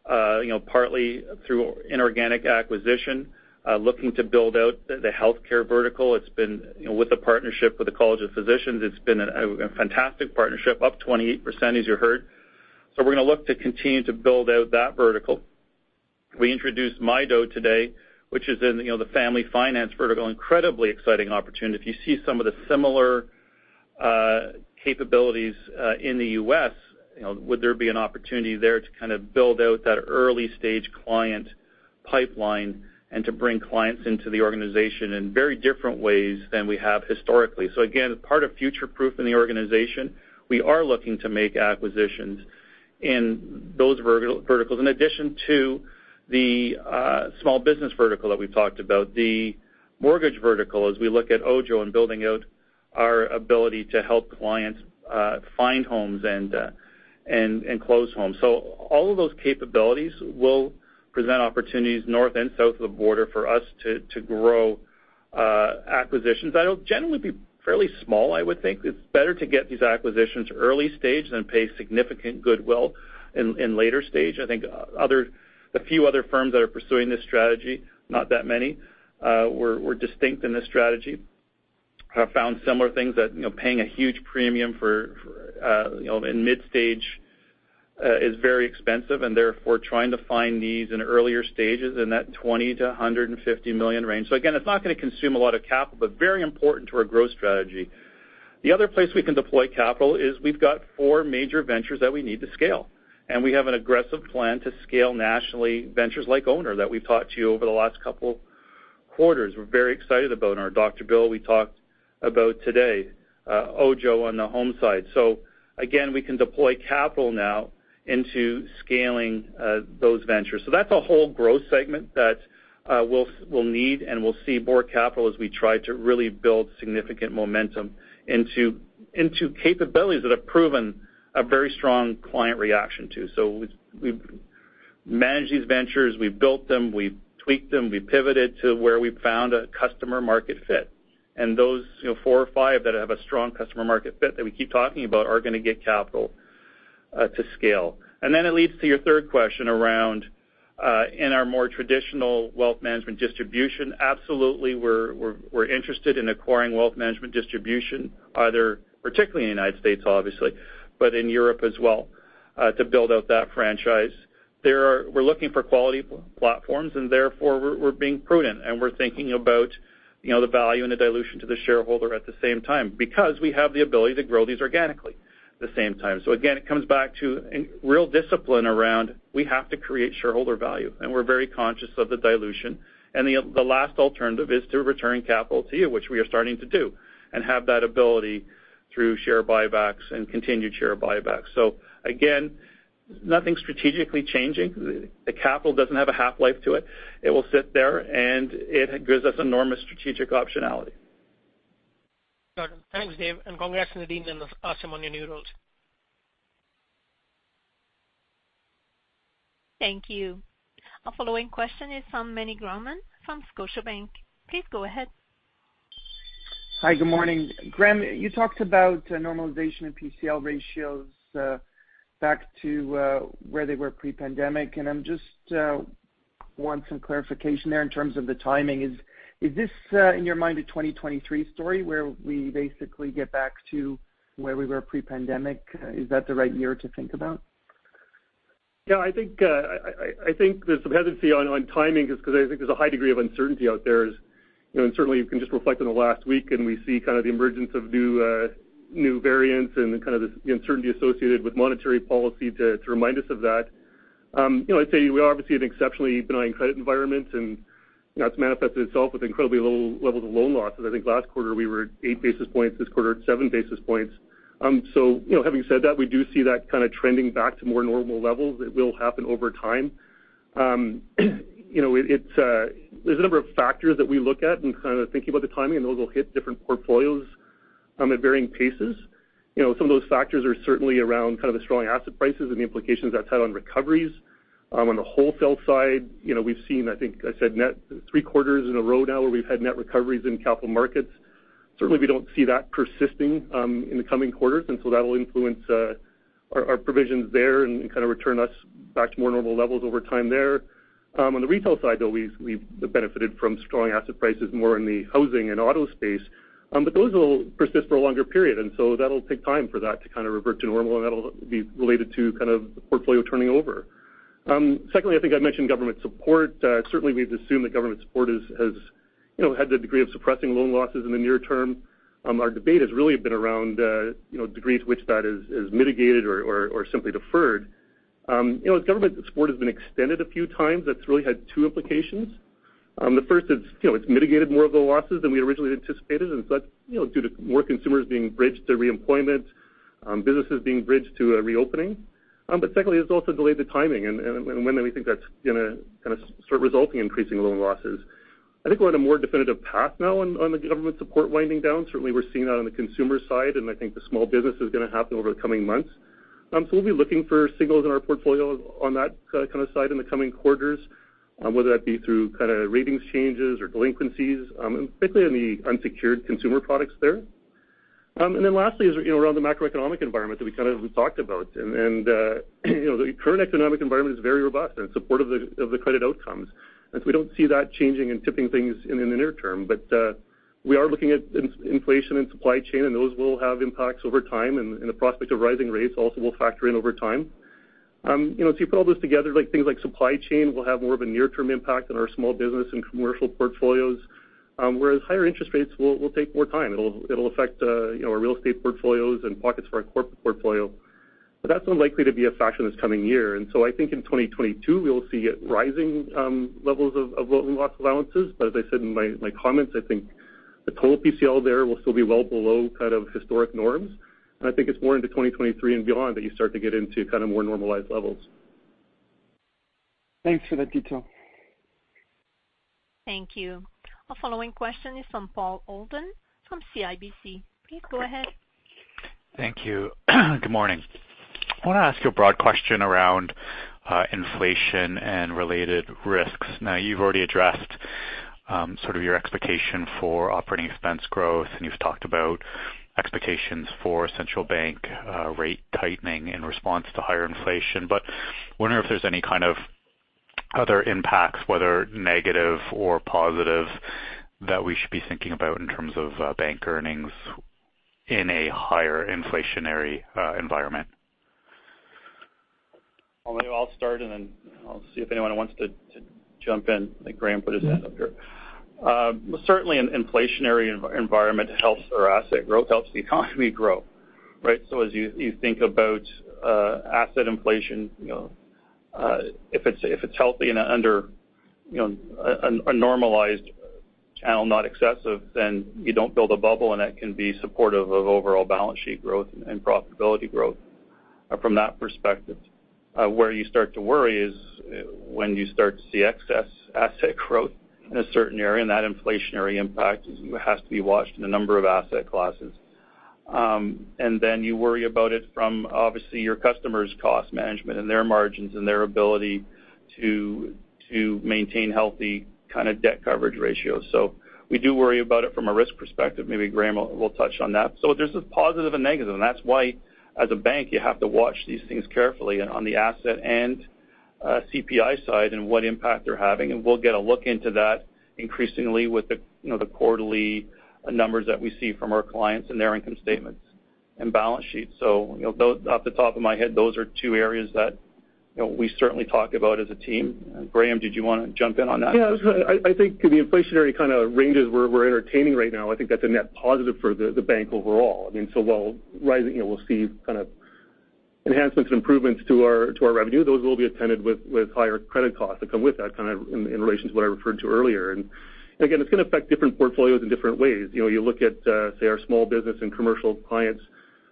you know, partly through inorganic acquisition, looking to build out the healthcare vertical. It's been, you know, with the partnership with the College of Physicians, it's been a fantastic partnership, up 28% as you heard. We're gonna look to continue to build out that vertical. We introduced Mydoh today, which is in, you know, the family finance vertical. Incredibly exciting opportunity. If you see some of the similar capabilities in the U.S., you know, would there be an opportunity there to kind of build out that early stage client pipeline and to bring clients into the organization in very different ways than we have historically. Again, part of future-proofing the organization, we are looking to make acquisitions in those verticals in addition to the small business vertical that we've talked about. The mortgage vertical, as we look at OJO and building out our ability to help clients find homes and close homes. All of those capabilities will present opportunities north and south of the border for us to grow acquisitions that'll generally be fairly small, I would think. It's better to get these acquisitions early-stage than pay significant goodwill in later-stage. I think the few other firms that are pursuing this strategy, not that many, were distinct in this strategy, have found similar things that, you know, paying a huge premium for, you know, in mid-stage, is very expensive, and therefore trying to find these in earlier stages in that 20 million-150 million range. Again, it's not gonna consume a lot of capital, but very important to our growth strategy. The other place we can deploy capital is we've got four major ventures that we need to scale, and we have an aggressive plan to scale nationally ventures like Ownr that we've talked to you over the last couple quarters we're very excited about, and our Dr. Bill we talked about today, OJO on the home side. Again, we can deploy capital now into scaling, those ventures. That's a whole growth segment that we'll need and we'll see more capital as we try to really build significant momentum into capabilities that have proven a very strong client reaction to. We've managed these ventures, we've built them, we've tweaked them, we pivoted to where we found a customer market fit. Those, you know, four or five that have a strong customer market fit that we keep talking about are gonna get capital to scale. Then it leads to your third question around in our more traditional wealth management distribution. Absolutely we're interested in acquiring wealth management distribution either, particularly in the United States obviously, but in Europe as well, to build out that franchise. We're looking for quality platforms, and therefore we're being prudent and we're thinking about, you know, the value and the dilution to the shareholder at the same time because we have the ability to grow these organically at the same time. Again, it comes back to real discipline around we have to create shareholder value, and we're very conscious of the dilution. The last alternative is to return capital to you, which we are starting to do and have that ability through share buybacks and continued share buybacks. Again, nothing strategically changing. The capital doesn't have a half-life to it. It will sit there and it gives us enormous strategic optionality. Got it. Thanks, Dave, and congrats to Nadine and Asim on your new roles. Thank you. Our following question is from Meny Grauman from Scotiabank. Please go ahead. Hi, good morning. Graeme, you talked about normalization of PCL ratios back to where they were pre-pandemic, and I just want some clarification there in terms of the timing. Is this in your mind a 2023 story where we basically get back to where we were pre-pandemic? Is that the right year to think about? Yeah, I think the hesitancy on timing is because I think there's a high degree of uncertainty out there as you know, and certainly you can just reflect on the last week and we see kind of the emergence of new variants and kind of the uncertainty associated with monetary policy to remind us of that. You know, I'd say we are obviously an exceptionally benign credit environment, and that's manifested itself with incredibly low levels of loan losses. I think last quarter we were at 8 basis points, this quarter at 7 basis points. So you know, having said that, we do see that kind of trending back to more normal levels. It will happen over time. You know, there's a number of factors that we look at in kind of thinking about the timing and those will hit different portfolios at varying paces. You know, some of those factors are certainly around kind of the strong asset prices and the implications that's had on recoveries. On the wholesale side, you know, we've seen I think I said net three quarters in a row now where we've had net recoveries in capital markets. Certainly we don't see that persisting in the coming quarters, and so that'll influence our provisions there and kind of return us back to more normal levels over time there. On the retail side though, we've benefited from strong asset prices more in the housing and auto space. Those will persist for a longer period, and so that'll take time for that to kind of revert to normal, and that'll be related to kind of the portfolio turning over. Secondly, I think I mentioned government support. Certainly we've assumed that government support has, you know, had the degree of suppressing loan losses in the near term. Our debate has really been around, you know, degrees to which that is mitigated or simply deferred. You know, as government support has been extended a few times, that's really had two implications. The first is, you know, it's mitigated more of the losses than we originally anticipated, and that's, you know, due to more consumers being bridged to reemployment, businesses being bridged to a reopening. Secondly, it's also delayed the timing and when we think that's gonna kind of start resulting in increasing loan losses. I think we're on a more definitive path now on the government support winding down. Certainly we're seeing that on the consumer side, and I think the small business is gonna happen over the coming months. We'll be looking for signals in our portfolio on that kind of side in the coming quarters, whether that be through kind of ratings changes or delinquencies, and particularly in the unsecured consumer products there. Lastly is, you know, around the macroeconomic environment that we kind of talked about. You know, the current economic environment is very robust and supportive of the credit outcomes. We don't see that changing and tipping things in the near term. We are looking at inflation and supply chain, and those will have impacts over time, and the prospect of rising rates also will factor in over time. You know, so you put all this together, like, things like supply chain will have more of a near-term impact on our small business and commercial portfolios, whereas higher interest rates will take more time. It'll affect, you know, our real estate portfolios and pockets for our corporate portfolio. That's unlikely to be a factor this coming year. I think in 2022 we'll see rising levels of loan loss allowances. As I said in my comments, I think the total PCL there will still be well below kind of historic norms. I think it's more into 2023 and beyond that you start to get into kind of more normalized levels. Thanks for that detail. Thank you. Our following question is from Paul Holden from CIBC. Please go ahead. Thank you. Good morning. I wanna ask you a broad question around inflation and related risks. Now, you've already addressed sort of your expectation for operating expense growth, and you've talked about expectations for central bank rate tightening in response to higher inflation. Wondering if there's any kind of other impacts, whether negative or positive, that we should be thinking about in terms of bank earnings in a higher inflationary environment? Well, maybe I'll start, and then I'll see if anyone wants to jump in. I think Graeme put his hand up here. Well certainly an inflationary environment helps our asset growth, helps the economy grow, right? As you think about asset inflation, you know, if it's healthy and under a normalized channel, not excessive, then you don't build a bubble, and that can be supportive of overall balance sheet growth and profitability growth from that perspective. Where you start to worry is when you start to see excess asset growth in a certain area, and that inflationary impact has to be watched in a number of asset classes. You worry about it from obviously your customers' cost management and their margins and their ability to maintain healthy kind of debt coverage ratios. We do worry about it from a risk perspective. Maybe Graeme will touch on that. There's a positive and negative, and that's why, as a bank, you have to watch these things carefully on the asset and CPI side and what impact they're having. We'll get a look into that increasingly with the, you know, the quarterly numbers that we see from our clients and their income statements and balance sheets. You know, off the top of my head, those are two areas that, you know, we certainly talk about as a team. Graeme, did you wanna jump in on that? Yeah, I was gonna. I think the inflationary kind of ranges we're entertaining right now, I think that's a net positive for the bank overall. I mean, while rising, you know, we'll see kind of enhancements and improvements to our revenue, those will be attended with higher credit costs that come with that, kind of in relation to what I referred to earlier. Again, it's gonna affect different portfolios in different ways. You know, you look at, say, our small business and commercial clients,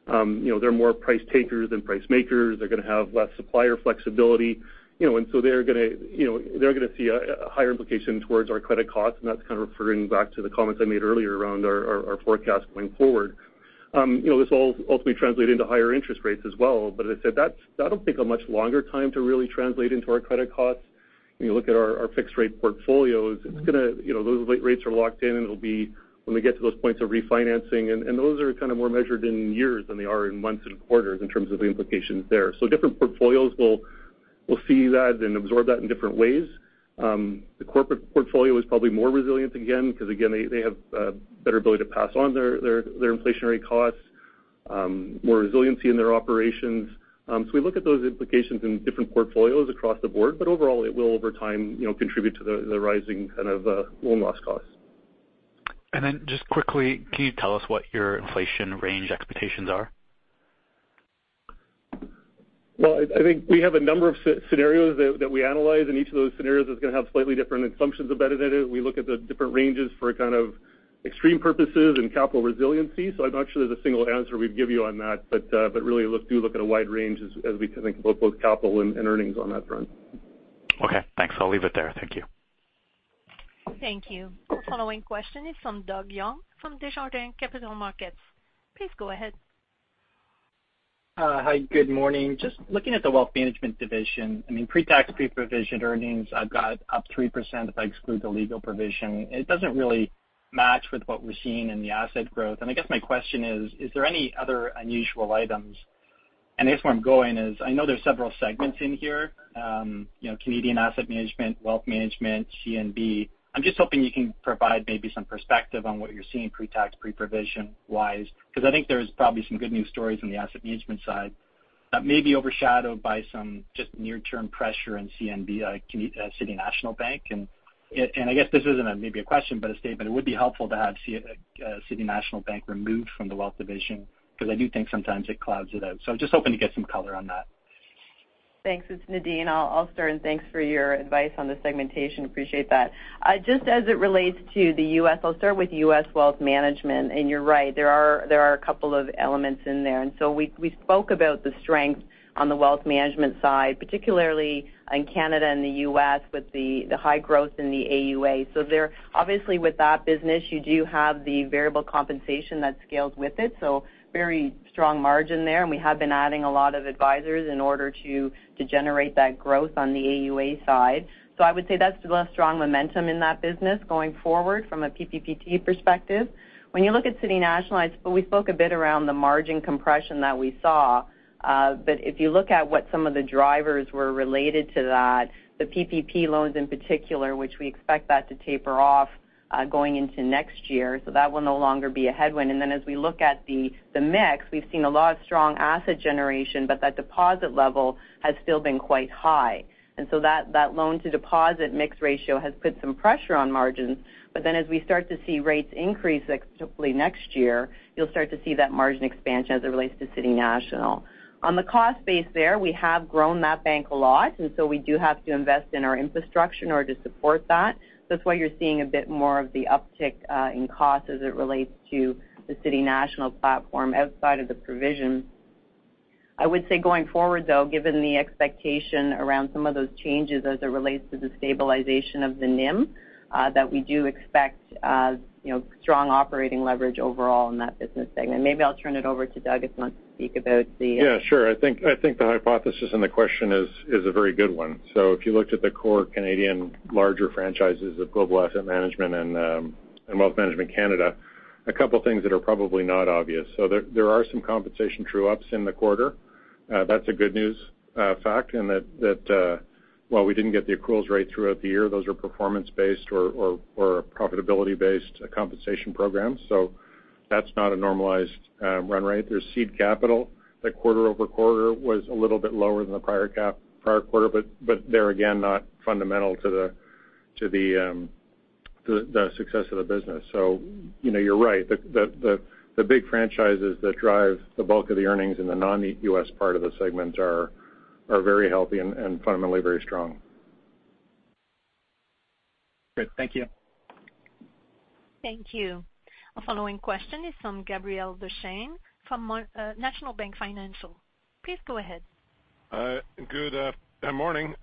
you know, they're more price takers than price makers. They're gonna have less supplier flexibility. You know, they're gonna see a higher implication towards our credit costs, and that's kind of referring back to the comments I made earlier around our forecast going forward. You know, this will all ultimately translate into higher interest rates as well, but as I said, that's. I don't think a much longer time to really translate into our credit costs. When you look at our fixed rate portfolios, it's gonna, you know, those low rates are locked in, and it'll be when we get to those points of refinancing. Those are kind of more measured in years than they are in months and quarters in terms of the implications there. Different portfolios will see that and absorb that in different ways. The corporate portfolio is probably more resilient again, because again, they have better ability to pass on their inflationary costs, more resiliency in their operations. We look at those implications in different portfolios across the board, but overall it will over time, you know, contribute to the rising kind of loan loss costs. Just quickly, can you tell us what your inflation range expectations are? Well, I think we have a number of scenarios that we analyze, and each of those scenarios is gonna have slightly different assumptions embedded in it. We look at the different ranges for kind of extreme purposes and capital resiliency. I'm not sure there's a single answer we'd give you on that. Really, look at a wide range as we think about both capital and earnings on that front. Okay, thanks. I'll leave it there. Thank you. Thank you. Our following question is from Doug Young from Desjardins Capital Markets. Please go ahead. Hi, good morning. Just looking at the wealth management division, I mean, pre-tax, pre-provision earnings, I've got up 3% if I exclude the legal provision. It doesn't really match with what we're seeing in the asset growth. I guess my question is there any other unusual items? I guess where I'm going is I know there's several segments in here, you know, Canadian asset management, wealth management, CNB. I'm just hoping you can provide maybe some perspective on what you're seeing pre-tax, pre-provision wise, because I think there's probably some good news stories on the asset management side. That may be overshadowed by some just near-term pressure in CNB, City National Bank. I guess this isn't maybe a question but a statement, it would be helpful to have City National Bank removed from the wealth division because I do think sometimes it clouds it out. I'm just hoping to get some color on that. Thanks. It's Nadine. I'll start, and thanks for your advice on the segmentation. Appreciate that. Just as it relates to the U.S., I'll start with U.S. Wealth Management. You're right, there are a couple of elements in there. We spoke about the strength on the wealth management side, particularly in Canada and the U.S. with the high growth in the AUA. Obviously, with that business, you do have the variable compensation that scales with it, so very strong margin there. We have been adding a lot of advisors in order to generate that growth on the AUA side. I would say that's the strong momentum in that business going forward from a PPPT perspective. When you look at City National, we spoke a bit around the margin compression that we saw. If you look at what some of the drivers were related to that, the PPP loans in particular, which we expect that to taper off, going into next year, so that will no longer be a headwind. Then as we look at the mix, we've seen a lot of strong asset generation, but that deposit level has still been quite high. That loan to deposit mix ratio has put some pressure on margins. Then as we start to see rates increase, like typically next year, you'll start to see that margin expansion as it relates to City National. On the cost base there, we have grown that bank a lot, and so we do have to invest in our infrastructure in order to support that. That's why you're seeing a bit more of the uptick in cost as it relates to the City National platform outside of the provision. I would say going forward, though, given the expectation around some of those changes as it relates to the stabilization of the NIM that we do expect you know strong operating leverage overall in that business segment. Maybe I'll turn it over to Doug if he wants to speak about the. Yeah, sure. I think the hypothesis and the question is a very good one. If you looked at the core Canadian larger franchises of Global Asset Management and Wealth Management Canada, a couple things that are probably not obvious. There are some compensation true-ups in the quarter. That's a good-news fact, in that while we didn't get the accruals right throughout the year, those are performance-based or profitability-based compensation programs. That's not a normalized run rate. There's seed capital that quarter-over-quarter was a little bit lower than the prior quarter, but they're again not fundamental to the success of the business. You know, you're right. The big franchises that drive the bulk of the earnings in the non-U.S. part of the segment are very healthy and fundamentally very strong. Good. Thank you. Thank you. Our following question is from Gabriel Dechaine from National Bank Financial. Please go ahead. Good morning.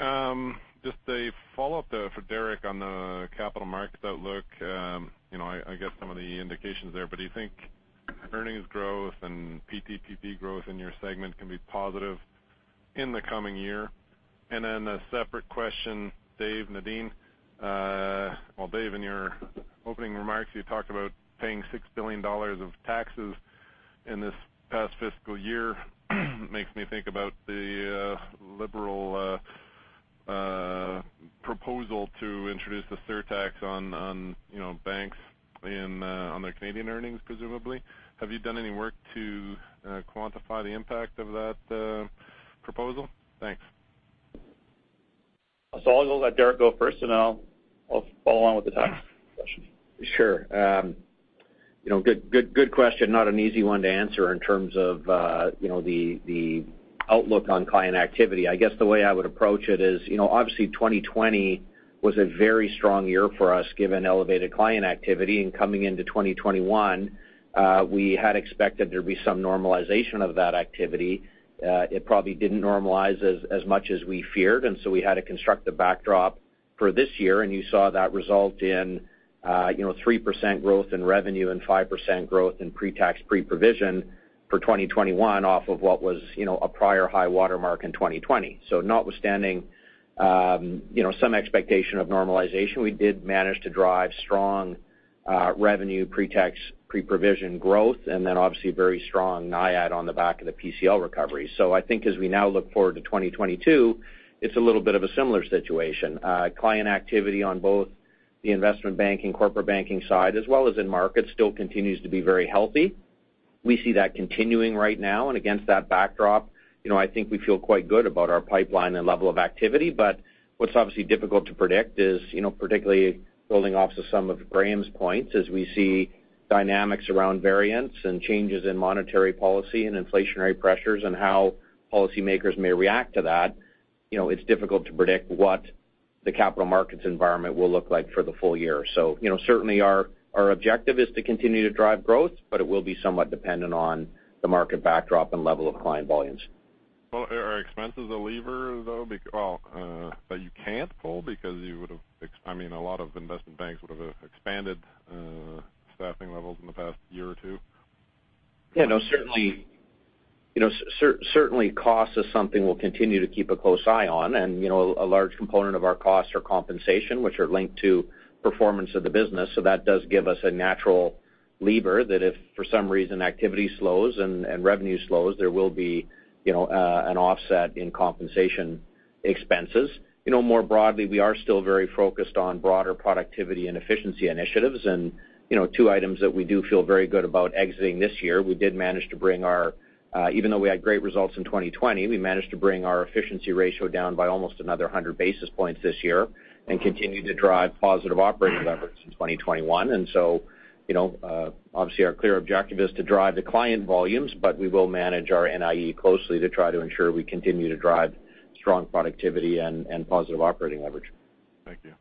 Just a follow-up though for Derek on the capital market outlook. You know, I get some of the indications there, but do you think earnings growth and PPPT growth in your segment can be positive in the coming year? A separate question, Dave, Nadine. Well, Dave, in your opening remarks, you talked about paying 6 billion dollars of taxes in this past fiscal year. It makes me think about the Liberal proposal to introduce the surtax on, you know, banks on their Canadian earnings, presumably. Have you done any work to quantify the impact of that proposal? Thanks. I'll let Derek go first, and I'll follow on with the tax question. Sure. You know, good question. Not an easy one to answer in terms of, you know, the outlook on client activity. I guess the way I would approach it is, you know, obviously 2020 was a very strong year for us given elevated client activity, and coming into 2021, we had expected there'd be some normalization of that activity. It probably didn't normalize as much as we feared, and so we had to construct the backdrop for this year, and you saw that result in, you know, 3% growth in revenue and 5% growth in pre-tax, pre-provision for 2021 off of what was, you know, a prior high water mark in 2020. Notwithstanding, you know, some expectation of normalization, we did manage to drive strong revenue pre-tax, pre-provision growth, and then obviously very strong NIAT on the back of the PCL recovery. I think as we now look forward to 2022, it's a little bit of a similar situation. Client activity on both the investment banking, corporate banking side as well as in markets still continues to be very healthy. We see that continuing right now, and against that backdrop, you know, I think we feel quite good about our pipeline and level of activity. What's obviously difficult to predict is, you know, particularly building off of some of Graeme's points, as we see dynamics around variance and changes in monetary policy and inflationary pressures and how policymakers may react to that, you know, it's difficult to predict what the capital markets environment will look like for the full year. You know, certainly our objective is to continue to drive growth, but it will be somewhat dependent on the market backdrop and level of client volumes. Well, are expenses a lever, though, that you can't pull because you would have, I mean, a lot of investment banks would have expanded staffing levels in the past year or two? You know, certainly cost is something we'll continue to keep a close eye on. You know, a large component of our costs are compensation, which are linked to performance of the business. That does give us a natural lever that if for some reason activity slows and revenue slows, there will be, you know, an offset in compensation expenses. You know, more broadly, we are still very focused on broader productivity and efficiency initiatives. You know, two items that we do feel very good about exiting this year, we did manage to bring our even though we had great results in 2020, we managed to bring our efficiency ratio down by almost another 100 basis points this year and continue to drive positive operating leverage in 2021. You know, obviously our clear objective is to drive the client volumes, but we will manage our NIE closely to try to ensure we continue to drive strong productivity and positive operating leverage. Thank you.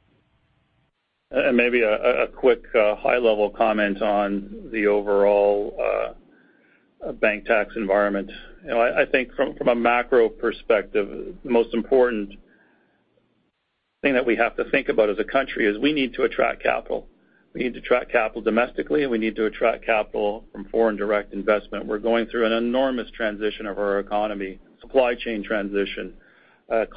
Maybe a quick high-level comment on the overall bank tax environment. You know, I think from a macro perspective, the most important thing that we have to think about as a country is we need to attract capital. We need to attract capital domestically, and we need to attract capital from foreign direct investment. We're going through an enormous transition of our economy, supply chain transition,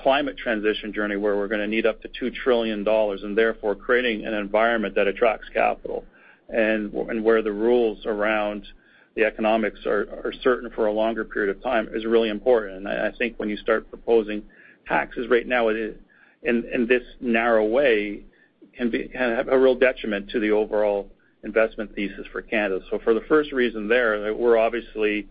climate transition journey where we're gonna need up to 2 trillion dollars, and therefore creating an environment that attracts capital and where the rules around the economics are certain for a longer period of time is really important. I think when you start proposing taxes right now in this narrow way can have a real detriment to the overall investment thesis for Canada. For the first reason there, we're obviously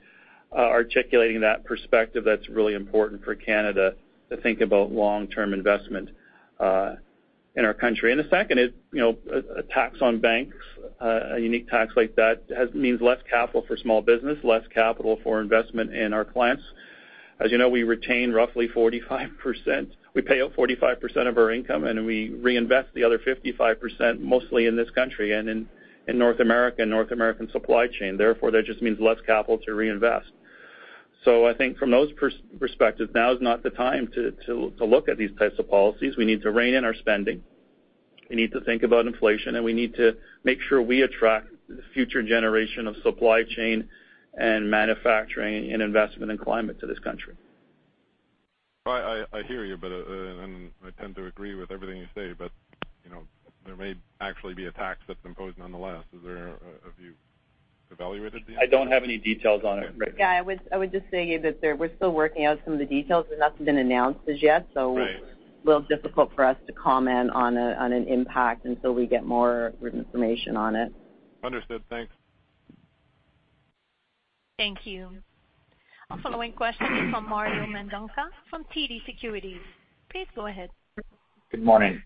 articulating that perspective that's really important for Canada to think about long-term investment in our country. The second is, you know, a tax on banks, a unique tax like that means less capital for small business, less capital for investment in our clients. As you know, we retain roughly 45%. We pay out 45% of our income, and then we reinvest the other 55% mostly in this country and in North America and North American supply chain. Therefore, that just means less capital to reinvest. I think from those perspectives, now is not the time to look at these types of policies. We need to rein in our spending. We need to think about inflation, and we need to make sure we attract the future generation of supply chain and manufacturing and investment and climate to this country. I hear you, but and I tend to agree with everything you say, but you know, there may actually be a tax that's imposed nonetheless. Have you evaluated these? I don't have any details on it right now. Yeah. I would just say that we're still working out some of the details, and nothing's been announced as yet. Right. It's a little difficult for us to comment on an impact until we get more information on it. Understood. Thanks. Thank you. Our following question is from Mario Mendonca from TD Securities. Please go ahead. Good morning.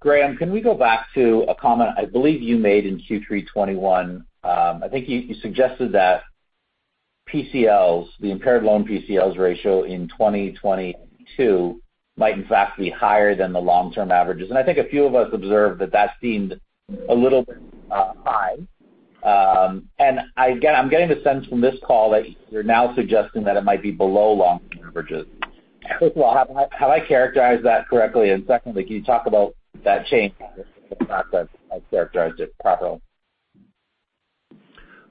Graeme, can we go back to a comment I believe you made in Q3 2021? I think you suggested that PCLs, the impaired loan PCLs ratio in 2022 might in fact be higher than the long-term averages. I think a few of us observed that that seemed a little bit high. I'm getting the sense from this call that you're now suggesting that it might be below long-term averages. First of all, have I characterized that correctly? Secondly, can you talk about that change, if in fact I've characterized it properly?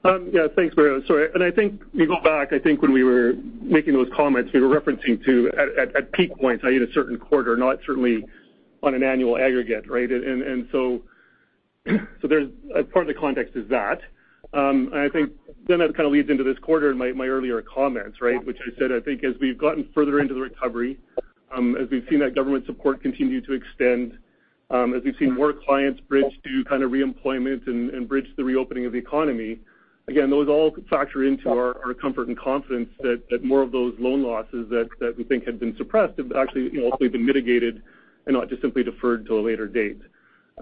Yeah. Thanks, Mario. Sorry. I think if you go back, I think when we were making those comments, we were referencing to at peak points, i.e., a certain quarter, not certainly on an annual aggregate, right? There's part of the context is that. I think then that kind of leads into this quarter in my earlier comments, right? Which I said, I think as we've gotten further into the recovery, as we've seen that government support continue to extend, as we've seen more clients bridge to kind of reemployment and bridge the reopening of the economy, again, those all factor into our comfort and confidence that more of those loan losses that we think had been suppressed have actually, you know, also been mitigated and not just simply deferred to a later date.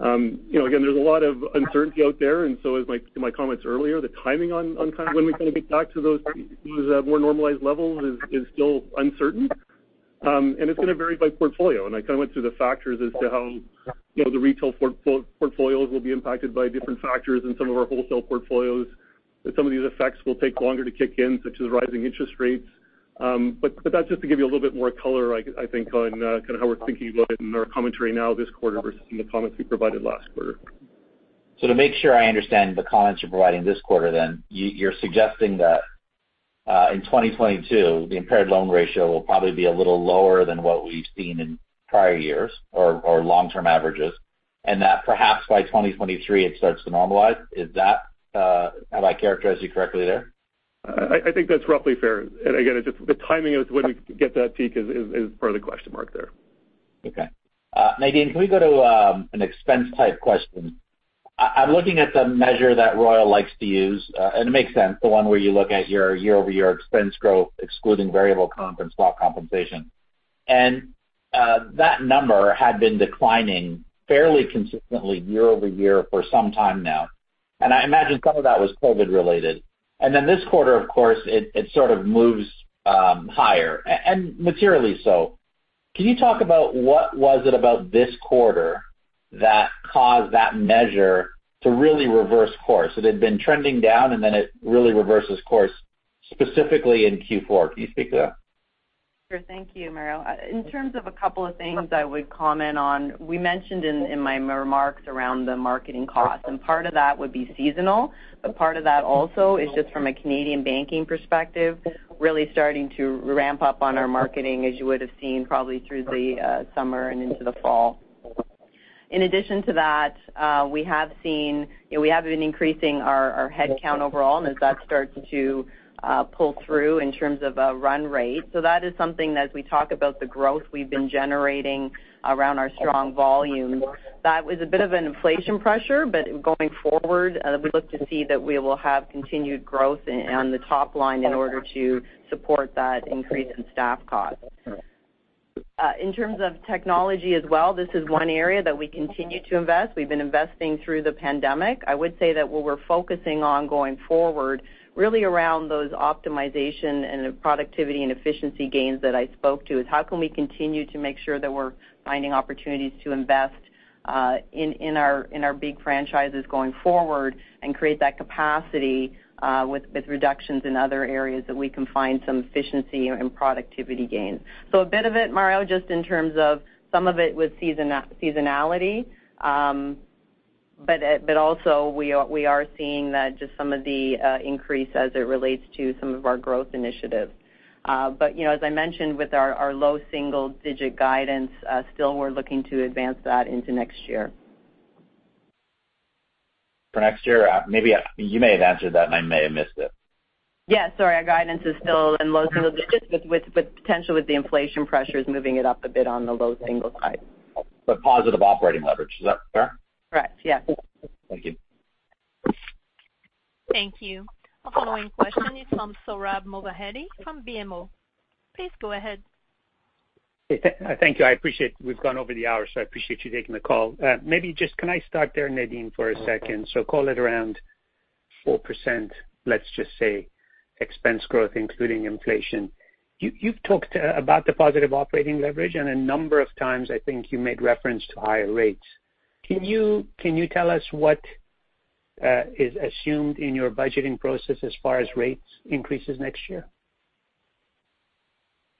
You know, again, there's a lot of uncertainty out there, and so to my comments earlier, the timing on kind of when we kind of get back to those more normalized levels is still uncertain. It's gonna vary by portfolio. I kind of went through the factors as to how, you know, the retail portfolios will be impacted by different factors in some of our wholesale portfolios, that some of these effects will take longer to kick in, such as rising interest rates. But that's just to give you a little bit more color, I think, on kind of how we're thinking about it in our commentary now this quarter versus in the comments we provided last quarter. To make sure I understand the comments you're providing this quarter then, you're suggesting that, in 2022, the impaired loan ratio will probably be a little lower than what we've seen in prior years or long-term averages, and that perhaps by 2023, it starts to normalize. Is that, have I characterized you correctly there? I think that's roughly fair. Again, it's just the timing of when we get to that peak is part of the question mark there. Okay. Nadine, can we go to an expense type question? I'm looking at the measure that Royal likes to use, and it makes sense, the one where you look at your year-over-year expense growth excluding variable comp and stock compensation. That number had been declining fairly consistently year-over-year for some time now. I imagine some of that was COVID related. Then this quarter, of course, it sort of moves higher and materially so. Can you talk about what was it about this quarter that caused that measure to really reverse course? It had been trending down, and then it really reverses course specifically in Q4. Can you speak to that? Sure. Thank you, Mario. In terms of a couple of things I would comment on, we mentioned in my remarks around the marketing costs, and part of that would be seasonal, but part of that also is just from a Canadian banking perspective, really starting to ramp up on our marketing, as you would have seen probably through the summer and into the fall. In addition to that, we have been increasing our headcount overall and as that starts to pull through in terms of a run rate. That is something that as we talk about the growth we've been generating around our strong volume, that was a bit of an inflation pressure, but going forward, we look to see that we will have continued growth on the top line in order to support that increase in staff costs. In terms of technology as well, this is one area that we continue to invest. We've been investing through the pandemic. I would say that what we're focusing on going forward, really around those optimization and productivity and efficiency gains that I spoke to, is how can we continue to make sure that we're finding opportunities to invest in our big franchises going forward and create that capacity with reductions in other areas that we can find some efficiency and productivity gains. A bit of it, Mario, just in terms of some of it with seasonality, but also we are seeing that just some of the increase as it relates to some of our growth initiatives. You know, as I mentioned, with our low single-digit guidance, still we're looking to advance that into next year. For next year, maybe you may have answered that, and I may have missed it. Yeah, sorry. Our guidance is still in low-single digits with potential with the inflation pressures moving it up a bit on the low-single side. Positive operating leverage. Is that fair? Correct. Yes. Thank you. Thank you. The following question is from Sohrab Movahedi from BMO. Please go ahead. Thank you. I appreciate we've gone over the hour, so I appreciate you taking the call. Maybe just can I start there, Nadine, for a second? Call it around 4%, let's just say expense growth, including inflation. You've talked about the positive operating leverage, and a number of times I think you made reference to higher rates. Can you tell us what is assumed in your budgeting process as far as rates increases next year?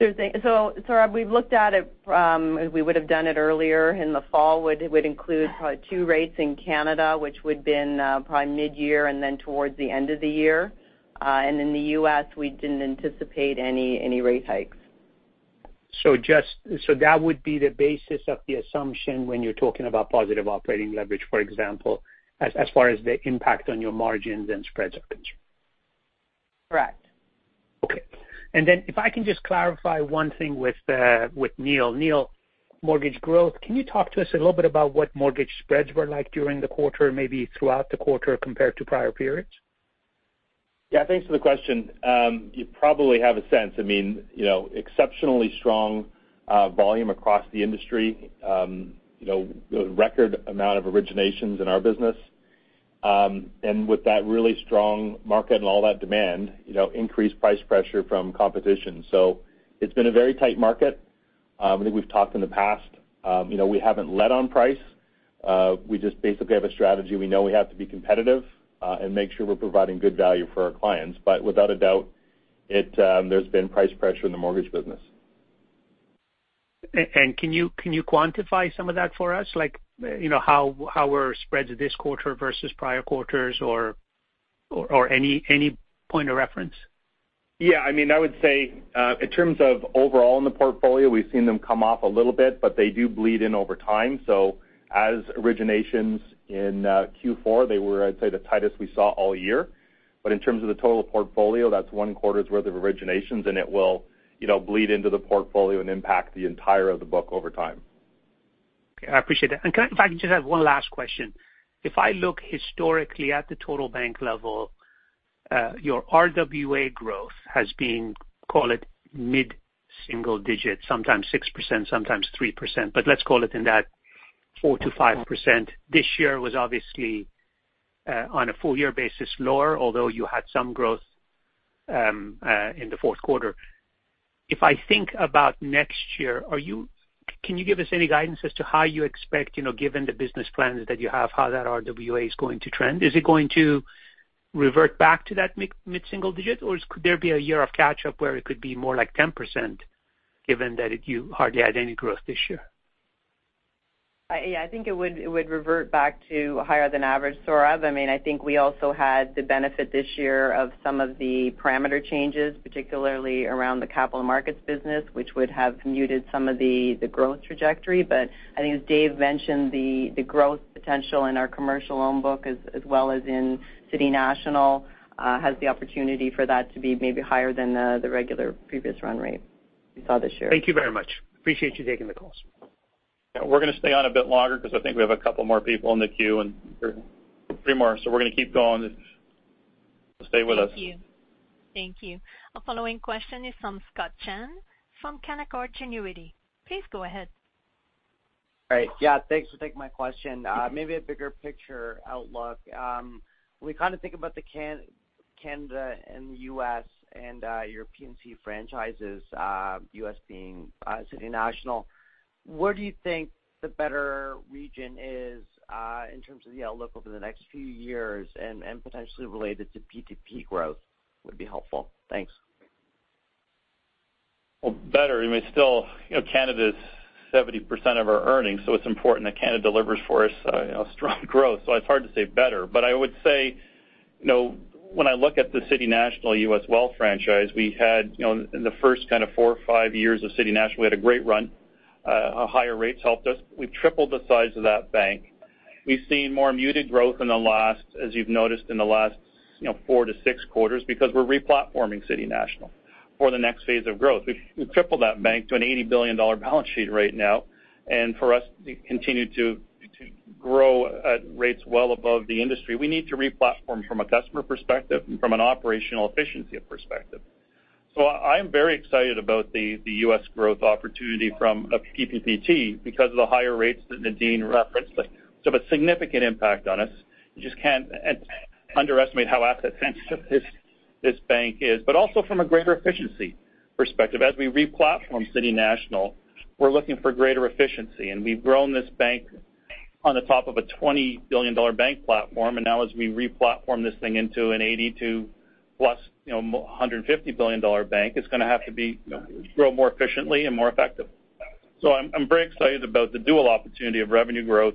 Sohrab, we've looked at it from as we would have done it earlier in the fall, would include probably two rates in Canada, which would been probably mid-year and then towards the end of the year. In the U.S., we didn't anticipate any rate hikes. That would be the basis of the assumption when you're talking about positive operating leverage, for example, as far as the impact on your margins and spreads are concerned? Correct. Okay. If I can just clarify one thing with Neil. Neil, mortgage growth. Can you talk to us a little bit about what mortgage spreads were like during the quarter, maybe throughout the quarter compared to prior periods? Yeah. Thanks for the question. You probably have a sense, I mean, you know, exceptionally strong volume across the industry, you know, record amount of originations in our business. With that really strong market and all that demand, you know, increased price pressure from competition. It's been a very tight market. I think we've talked in the past, you know, we haven't led on price. We just basically have a strategy. We know we have to be competitive and make sure we're providing good value for our clients. Without a doubt, there's been price pressure in the mortgage business. Can you quantify some of that for us, like, you know, how were spreads this quarter versus prior quarters or any point of reference? Yeah. I mean, I would say, in terms of overall in the portfolio, we've seen them come off a little bit, but they do bleed in over time. As originations in Q4, they were, I'd say, the tightest we saw all year. In terms of the total portfolio, that's one quarter's worth of originations, and it will, you know, bleed into the portfolio and impact the entirety of the book over time. Okay. I appreciate that. If I can just have one last question. If I look historically at the total bank level, your RWA growth has been, call it mid-single digit, sometimes 6%, sometimes 3%, but let's call it in that 4%-5%. This year was obviously on a full year basis, lower, although you had some growth in the fourth quarter. If I think about next year, can you give us any guidance as to how you expect, you know, given the business plans that you have, how that RWA is going to trend? Is it going to revert back to that mid-single digit, or could there be a year of catch up where it could be more like 10% given that you hardly had any growth this year? I think it would revert back to higher than average, Sohrab. I mean, I think we also had the benefit this year of some of the parameter changes, particularly around the capital markets business, which would have muted some of the growth trajectory. I think as Dave mentioned, the growth potential in our commercial loan book as well as in City National has the opportunity for that to be maybe higher than the regular previous run rate we saw this year. Thank you very much. I appreciate you taking the calls. We're going to stay on a bit longer because I think we have a couple more people in the queue and three more. We're going to keep going. Stay with us. Thank you. The following question is from Scott Chan from Canaccord Genuity. Please go ahead. All right. Yeah, thanks for taking my question. Maybe a bigger picture outlook. We kind of think about the Canada and the U.S. and your P&C franchises, U.S. being City National. Where do you think the better region is in terms of the outlook over the next few years and potentially related to P2P growth would be helpful? Thanks. Well, better. I mean, still, you know, Canada is 70% of our earnings, so it's important that Canada delivers for us, strong growth. It's hard to say better, but I would say You know, when I look at the City National U.S. Wealth franchise, we had, you know, in the first kind of 4 or 5 years of City National, we had a great run. Higher rates helped us. We've tripled the size of that bank. We've seen more muted growth in the last, as you've noticed, in the last, you know, 4 to 6 quarters because we're re-platforming City National for the next phase of growth. We've tripled that bank to an 80 billion dollar balance sheet right now. For us to continue to grow at rates well above the industry, we need to re-platform from a customer perspective and from an operational efficiency perspective. I am very excited about the U.S. growth opportunity from a PPPT because of the higher rates that Nadine referenced. It's of a significant impact on us. You just can't underestimate how asset-sensitive this bank is, also from a greater efficiency perspective. As we re-platform City National, we're looking for greater efficiency, and we've grown this bank on the top of a 20 billion dollar bank platform. Now as we re-platform this thing into an 82 billion-plus, you know, 150 billion dollar bank, it's gonna have to grow more efficiently and more effective. I'm very excited about the dual opportunity of revenue growth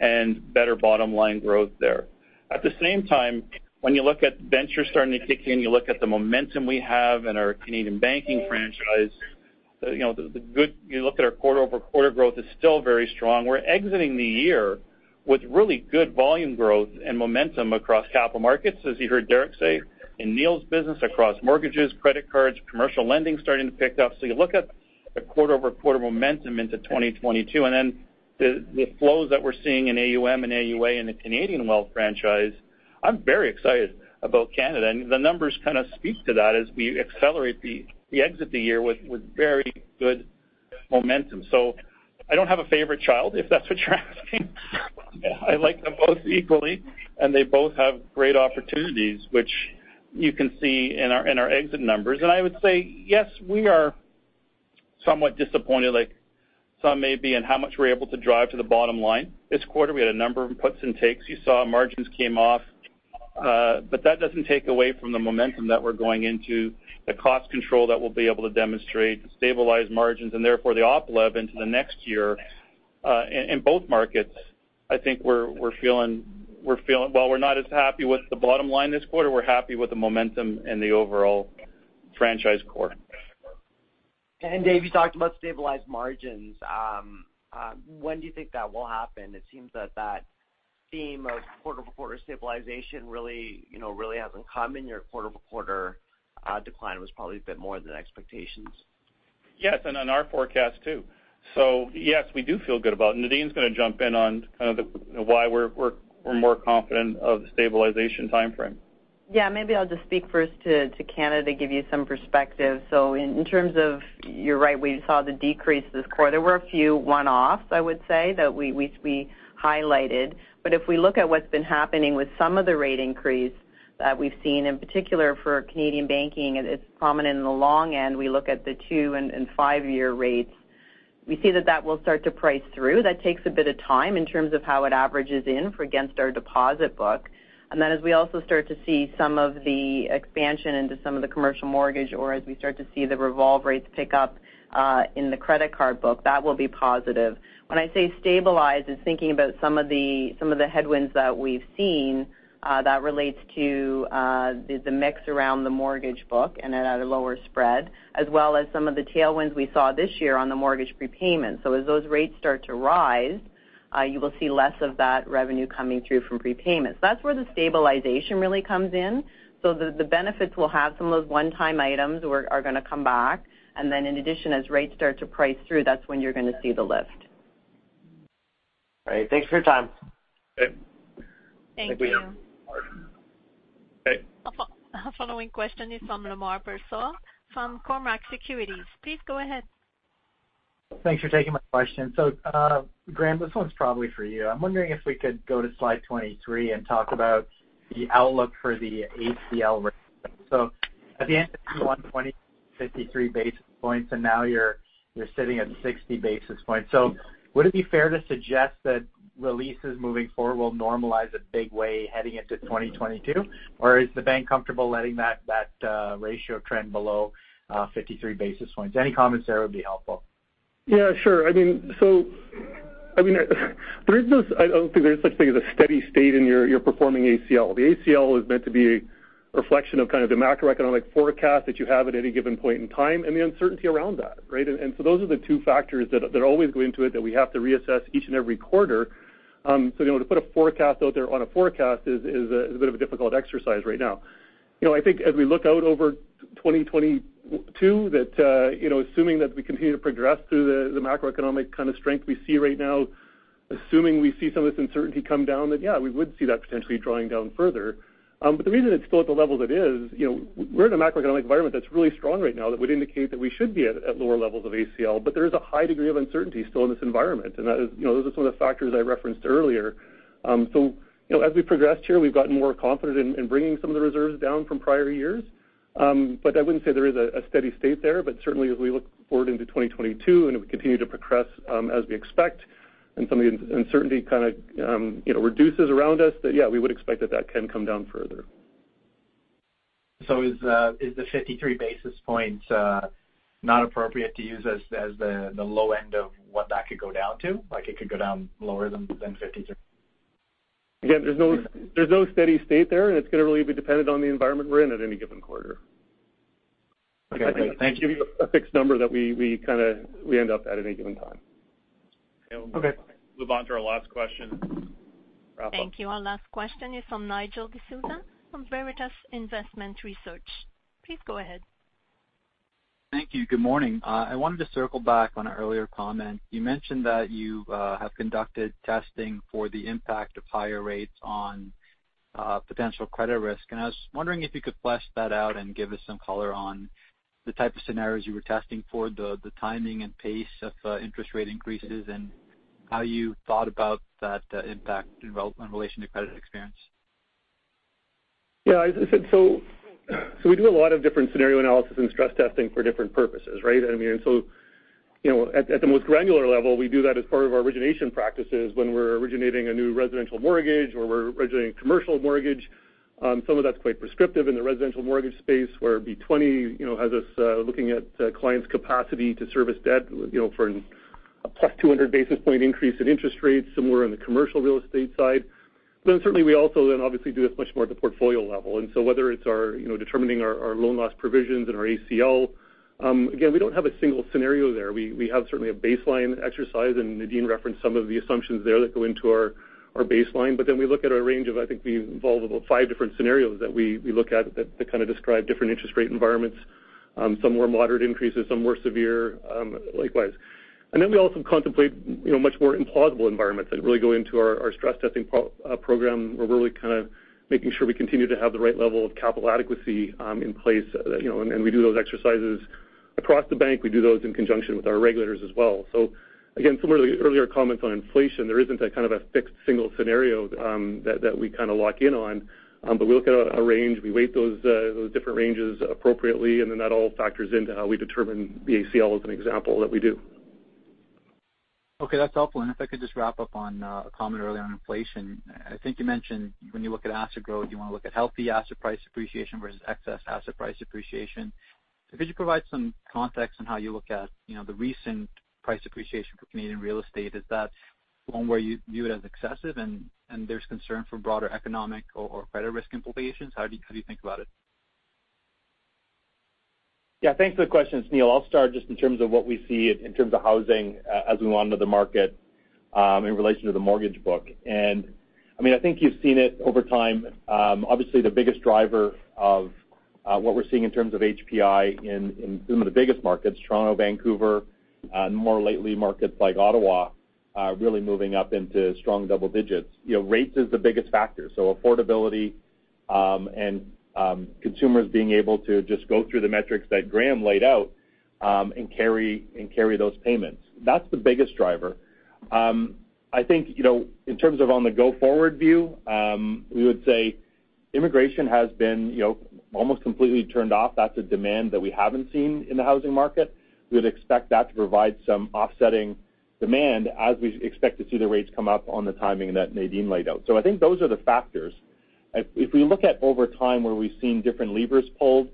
and better bottom line growth there. At the same time, when you look at venture starting to kick in, you look at the momentum we have in our Canadian banking franchise, you know, you look at our quarter-over-quarter growth is still very strong. We're exiting the year with really good volume growth and momentum across capital markets, as you heard Derek say, in Neil's business across mortgages, credit cards, commercial lending starting to pick up. You look at the quarter-over-quarter momentum into 2022, and then the flows that we're seeing in AUM and AUA in the Canadian Wealth franchise. I'm very excited about Canada, and the numbers kind of speak to that as we accelerate the exit the year with very good momentum. I don't have a favorite child, if that's what you're asking. I like them both equally, and they both have great opportunities, which you can see in our exit numbers. I would say, yes, we are somewhat disappointed, like some may be, in how much we're able to drive to the bottom line this quarter. We had a number of puts and takes. You saw margins came off. That doesn't take away from the momentum that we're going into, the cost control that we'll be able to demonstrate, stabilize margins, and therefore the opportunity level into the next year, in both markets. I think we're feeling. While we're not as happy with the bottom line this quarter, we're happy with the momentum and the overall franchise core. Dave, you talked about stabilized margins. When do you think that will happen? It seems that theme of quarter-over-quarter stabilization really, you know, really hasn't come, and your quarter-over-quarter decline was probably a bit more than expectations. Yes, on our forecast too. Yes, we do feel good about it. Nadine's gonna jump in on kind of the why we're more confident of the stabilization timeframe. Yeah, maybe I'll just speak first to Canada to give you some perspective. In terms of, you're right, we saw the decrease this quarter. There were a few one-offs, I would say, that we highlighted. If we look at what's been happening with some of the rate increase that we've seen, in particular for Canadian banking, it is prominent in the long end. We look at the two- and five-year rates. We see that that will start to price through. That takes a bit of time in terms of how it averages in for our deposit book. As we also start to see some of the expansion into some of the commercial mortgage or as we start to see the revolve rates pick up in the credit card book, that will be positive. When I say stabilize, it's thinking about some of the headwinds that we've seen that relates to the mix around the mortgage book and at a lower spread, as well as some of the tailwinds we saw this year on the mortgage prepayment. As those rates start to rise, you will see less of that revenue coming through from prepayments. That's where the stabilization really comes in. The benefits we'll have, some of those one-time items are gonna come back. In addition, as rates start to price through, that's when you're gonna see the lift. All right. Thanks for your time. Okay. Thank you. Okay. Following question is from Lemar Persaud from Cormark Securities. Please go ahead. Thanks for taking my question. Graeme, this one's probably for you. I'm wondering if we could go to slide 23 and talk about the outlook for the ACL rate. At the end of Q1 2020, 53 basis points, and now you're sitting at 60 basis points. Would it be fair to suggest that releases moving forward will normalize a big way heading into 2022? Or is the bank comfortable letting that ratio trend below 53 basis points? Any comments there would be helpful. Yeah, sure. I mean, I don't think there's such thing as a steady state in your performing ACL. The ACL is meant to be a reflection of kind of the macroeconomic forecast that you have at any given point in time and the uncertainty around that, right? Those are the two factors that always go into it that we have to reassess each and every quarter. You know, to put a forecast out there on a forecast is a bit of a difficult exercise right now. You know, I think as we look out over 2022, that, you know, assuming that we continue to progress through the macroeconomic kind of strength we see right now, assuming we see some of this uncertainty come down, then yeah, we would see that potentially drawing down further. But the reason it's still at the level that is, you know, we're in a macroeconomic environment that's really strong right now that would indicate that we should be at lower levels of ACL, but there is a high degree of uncertainty still in this environment. That is, you know, those are some of the factors I referenced earlier. So, you know, as we progressed here, we've gotten more confident in bringing some of the reserves down from prior years. But I wouldn't say there is a steady state there. Certainly, as we look forward into 2022 and we continue to progress, as we expect and some of the uncertainty kind of, you know, reduces around us, then yeah, we would expect that can come down further. Is the 53 basis points not appropriate to use as the low end of what that could go down to? Like it could go down lower than 53? Again, there's no steady state there, and it's gonna really be dependent on the environment we're in at any given quarter. Okay. Thank you. Give you a fixed number that we kind of end up at any given time. Okay. Move on to our last question. Wrap up. Thank you. Our last question is from Nigel D'Souza from Veritas Investment Research. Please go ahead. Thank you. Good morning. I wanted to circle back on an earlier comment. You mentioned that you have conducted testing for the impact of higher rates on potential credit risk, and I was wondering if you could flesh that out and give us some color on the type of scenarios you were testing for, the timing and pace of interest rate increases and how you thought about that impact in relation to credit experience? Yeah, as I said, we do a lot of different scenario analysis and stress testing for different purposes, right? I mean, you know, at the most granular level, we do that as part of our origination practices when we're originating a new residential mortgage, or we're originating commercial mortgage. Some of that's quite prescriptive in the residential mortgage space, where B-20, you know, has us looking at a client's capacity to service debt, you know, for a +200 basis point increase in interest rates, similar in the commercial real estate side. Certainly we also obviously do this much more at the portfolio level. Whether it's our, you know, determining our loan loss provisions and our ACL, again, we don't have a single scenario there. We have certainly a baseline exercise, and Nadine referenced some of the assumptions there that go into our baseline. Then we look at our range of. I think we involve about five different scenarios that we look at that kind of describe different interest rate environments. Some more moderate increases, some more severe, likewise. Then we also contemplate, you know, much more implausible environments that really go into our stress testing program, where we're really kind of making sure we continue to have the right level of capital adequacy in place. You know, we do those exercises across the bank. We do those in conjunction with our regulators as well. Again, some of the earlier comments on inflation, there isn't a kind of a fixed single scenario that we kind of lock in on. But we look at a range. We weight those different ranges appropriately, and then that all factors into how we determine the ACL as an example that we do. Okay, that's helpful. If I could just wrap up on a comment earlier on inflation. I think you mentioned when you look at asset growth, you wanna look at healthy asset price appreciation versus excess asset price appreciation. Could you provide some context on how you look at, you know, the recent price appreciation for Canadian real estate? Is that one where you view it as excessive and there's concern for broader economic or credit risk implications? How do you think about it? Yeah, thanks for the question, it's Neil. I'll start just in terms of what we see in terms of housing, as we went into the market, in relation to the mortgage book. I mean, I think you've seen it over time, obviously the biggest driver of what we're seeing in terms of HPI in some of the biggest markets, Toronto, Vancouver, and more lately markets like Ottawa, really moving up into strong double digits. You know, rates is the biggest factor, so affordability, and consumers being able to just go through the metrics that Graeme laid out, and carry those payments. That's the biggest driver. I think, you know, in terms of on the go-forward view, we would say immigration has been, you know, almost completely turned off. That's a demand that we haven't seen in the housing market. We'd expect that to provide some offsetting demand as we expect to see the rates come up on the timing that Nadine laid out. I think those are the factors. If we look at over time where we've seen different levers pulled,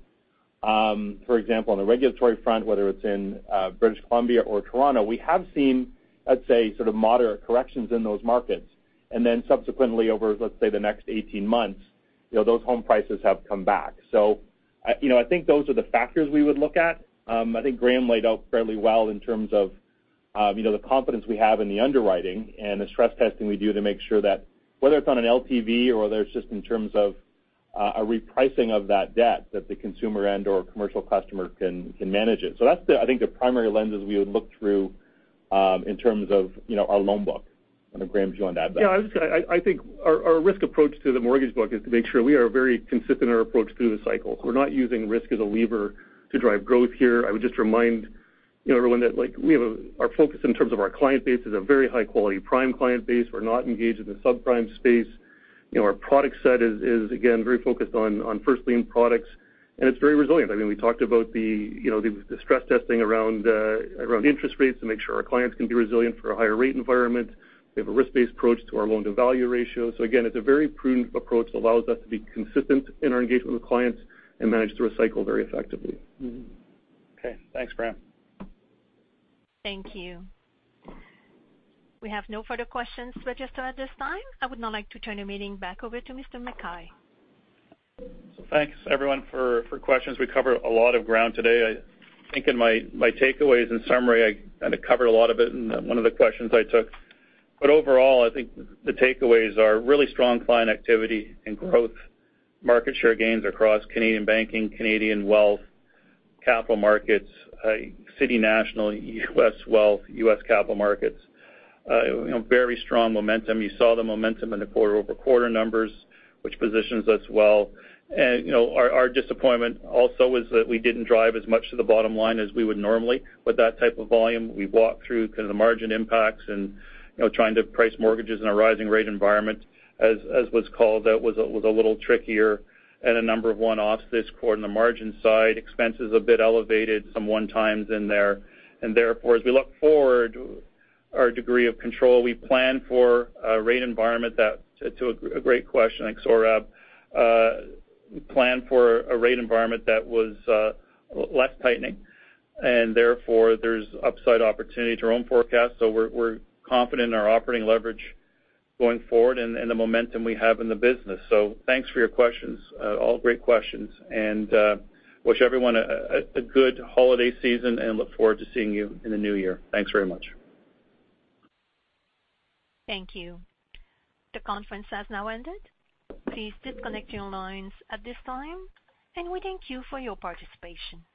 for example, on the regulatory front, whether it's in British Columbia or Toronto, we have seen, I'd say sort of moderate corrections in those markets. Then subsequently over, let's say, the next 18 months, you know, those home prices have come back. I, you know, I think those are the factors we would look at. I think Graeme laid out fairly well in terms of, you know, the confidence we have in the underwriting and the stress testing we do to make sure that whether it's on an LTV or whether it's just in terms of, a repricing of that debt, that the consumer and/or commercial customer can manage it. So that's the, I think the primary lenses we would look through, in terms of, you know, our loan book. I don't know if, Graeme, you want to add to that. Yeah. I think our risk approach to the mortgage book is to make sure we are very consistent in our approach through the cycle. We're not using risk as a lever to drive growth here. I would just remind, you know, everyone that, like, we have our focus in terms of our client base is a very high-quality prime client base. We're not engaged in the subprime space. You know, our product set is again very focused on first lien products, and it's very resilient. I mean, we talked about the, you know, the stress testing around interest rates to make sure our clients can be resilient for a higher rate environment. We have a risk-based approach to our loan-to-value ratio. Again, it's a very prudent approach that allows us to be consistent in our engagement with clients and manage through a cycle very effectively. Okay. Thanks, Graeme. Thank you. We have no further questions registered at this time. I would now like to turn the meeting back over to Mr. McKay. Thanks everyone for questions. We covered a lot of ground today. I think in my takeaways, in summary, I kind of covered a lot of it in one of the questions I took. Overall, I think the takeaways are really strong client activity and growth, market share gains across Canadian banking, Canadian wealth, capital markets, City National, U.S. wealth, U.S. capital markets. You know, very strong momentum. You saw the momentum in the quarter-over-quarter numbers, which positions us well. You know, our disappointment also is that we didn't drive as much to the bottom line as we would normally with that type of volume. We walked through kind of the margin impacts and, you know, trying to price mortgages in a rising rate environment as was called out, was a little trickier. had a number of one-offs this quarter on the margin side. Expenses were a bit elevated, some one-times in there. Therefore, as we look forward, our degree of control. That's a great question, thanks, Sohrab. We plan for a rate environment that was less tightening, and therefore, there's upside opportunity to our own forecast. We're confident in our operating leverage going forward and the momentum we have in the business. Thanks for your questions. All great questions. We wish everyone a good holiday season and look forward to seeing you in the new year. Thanks very much. Thank you. The conference has now ended. Please disconnect your lines at this time, and we thank you for your participation.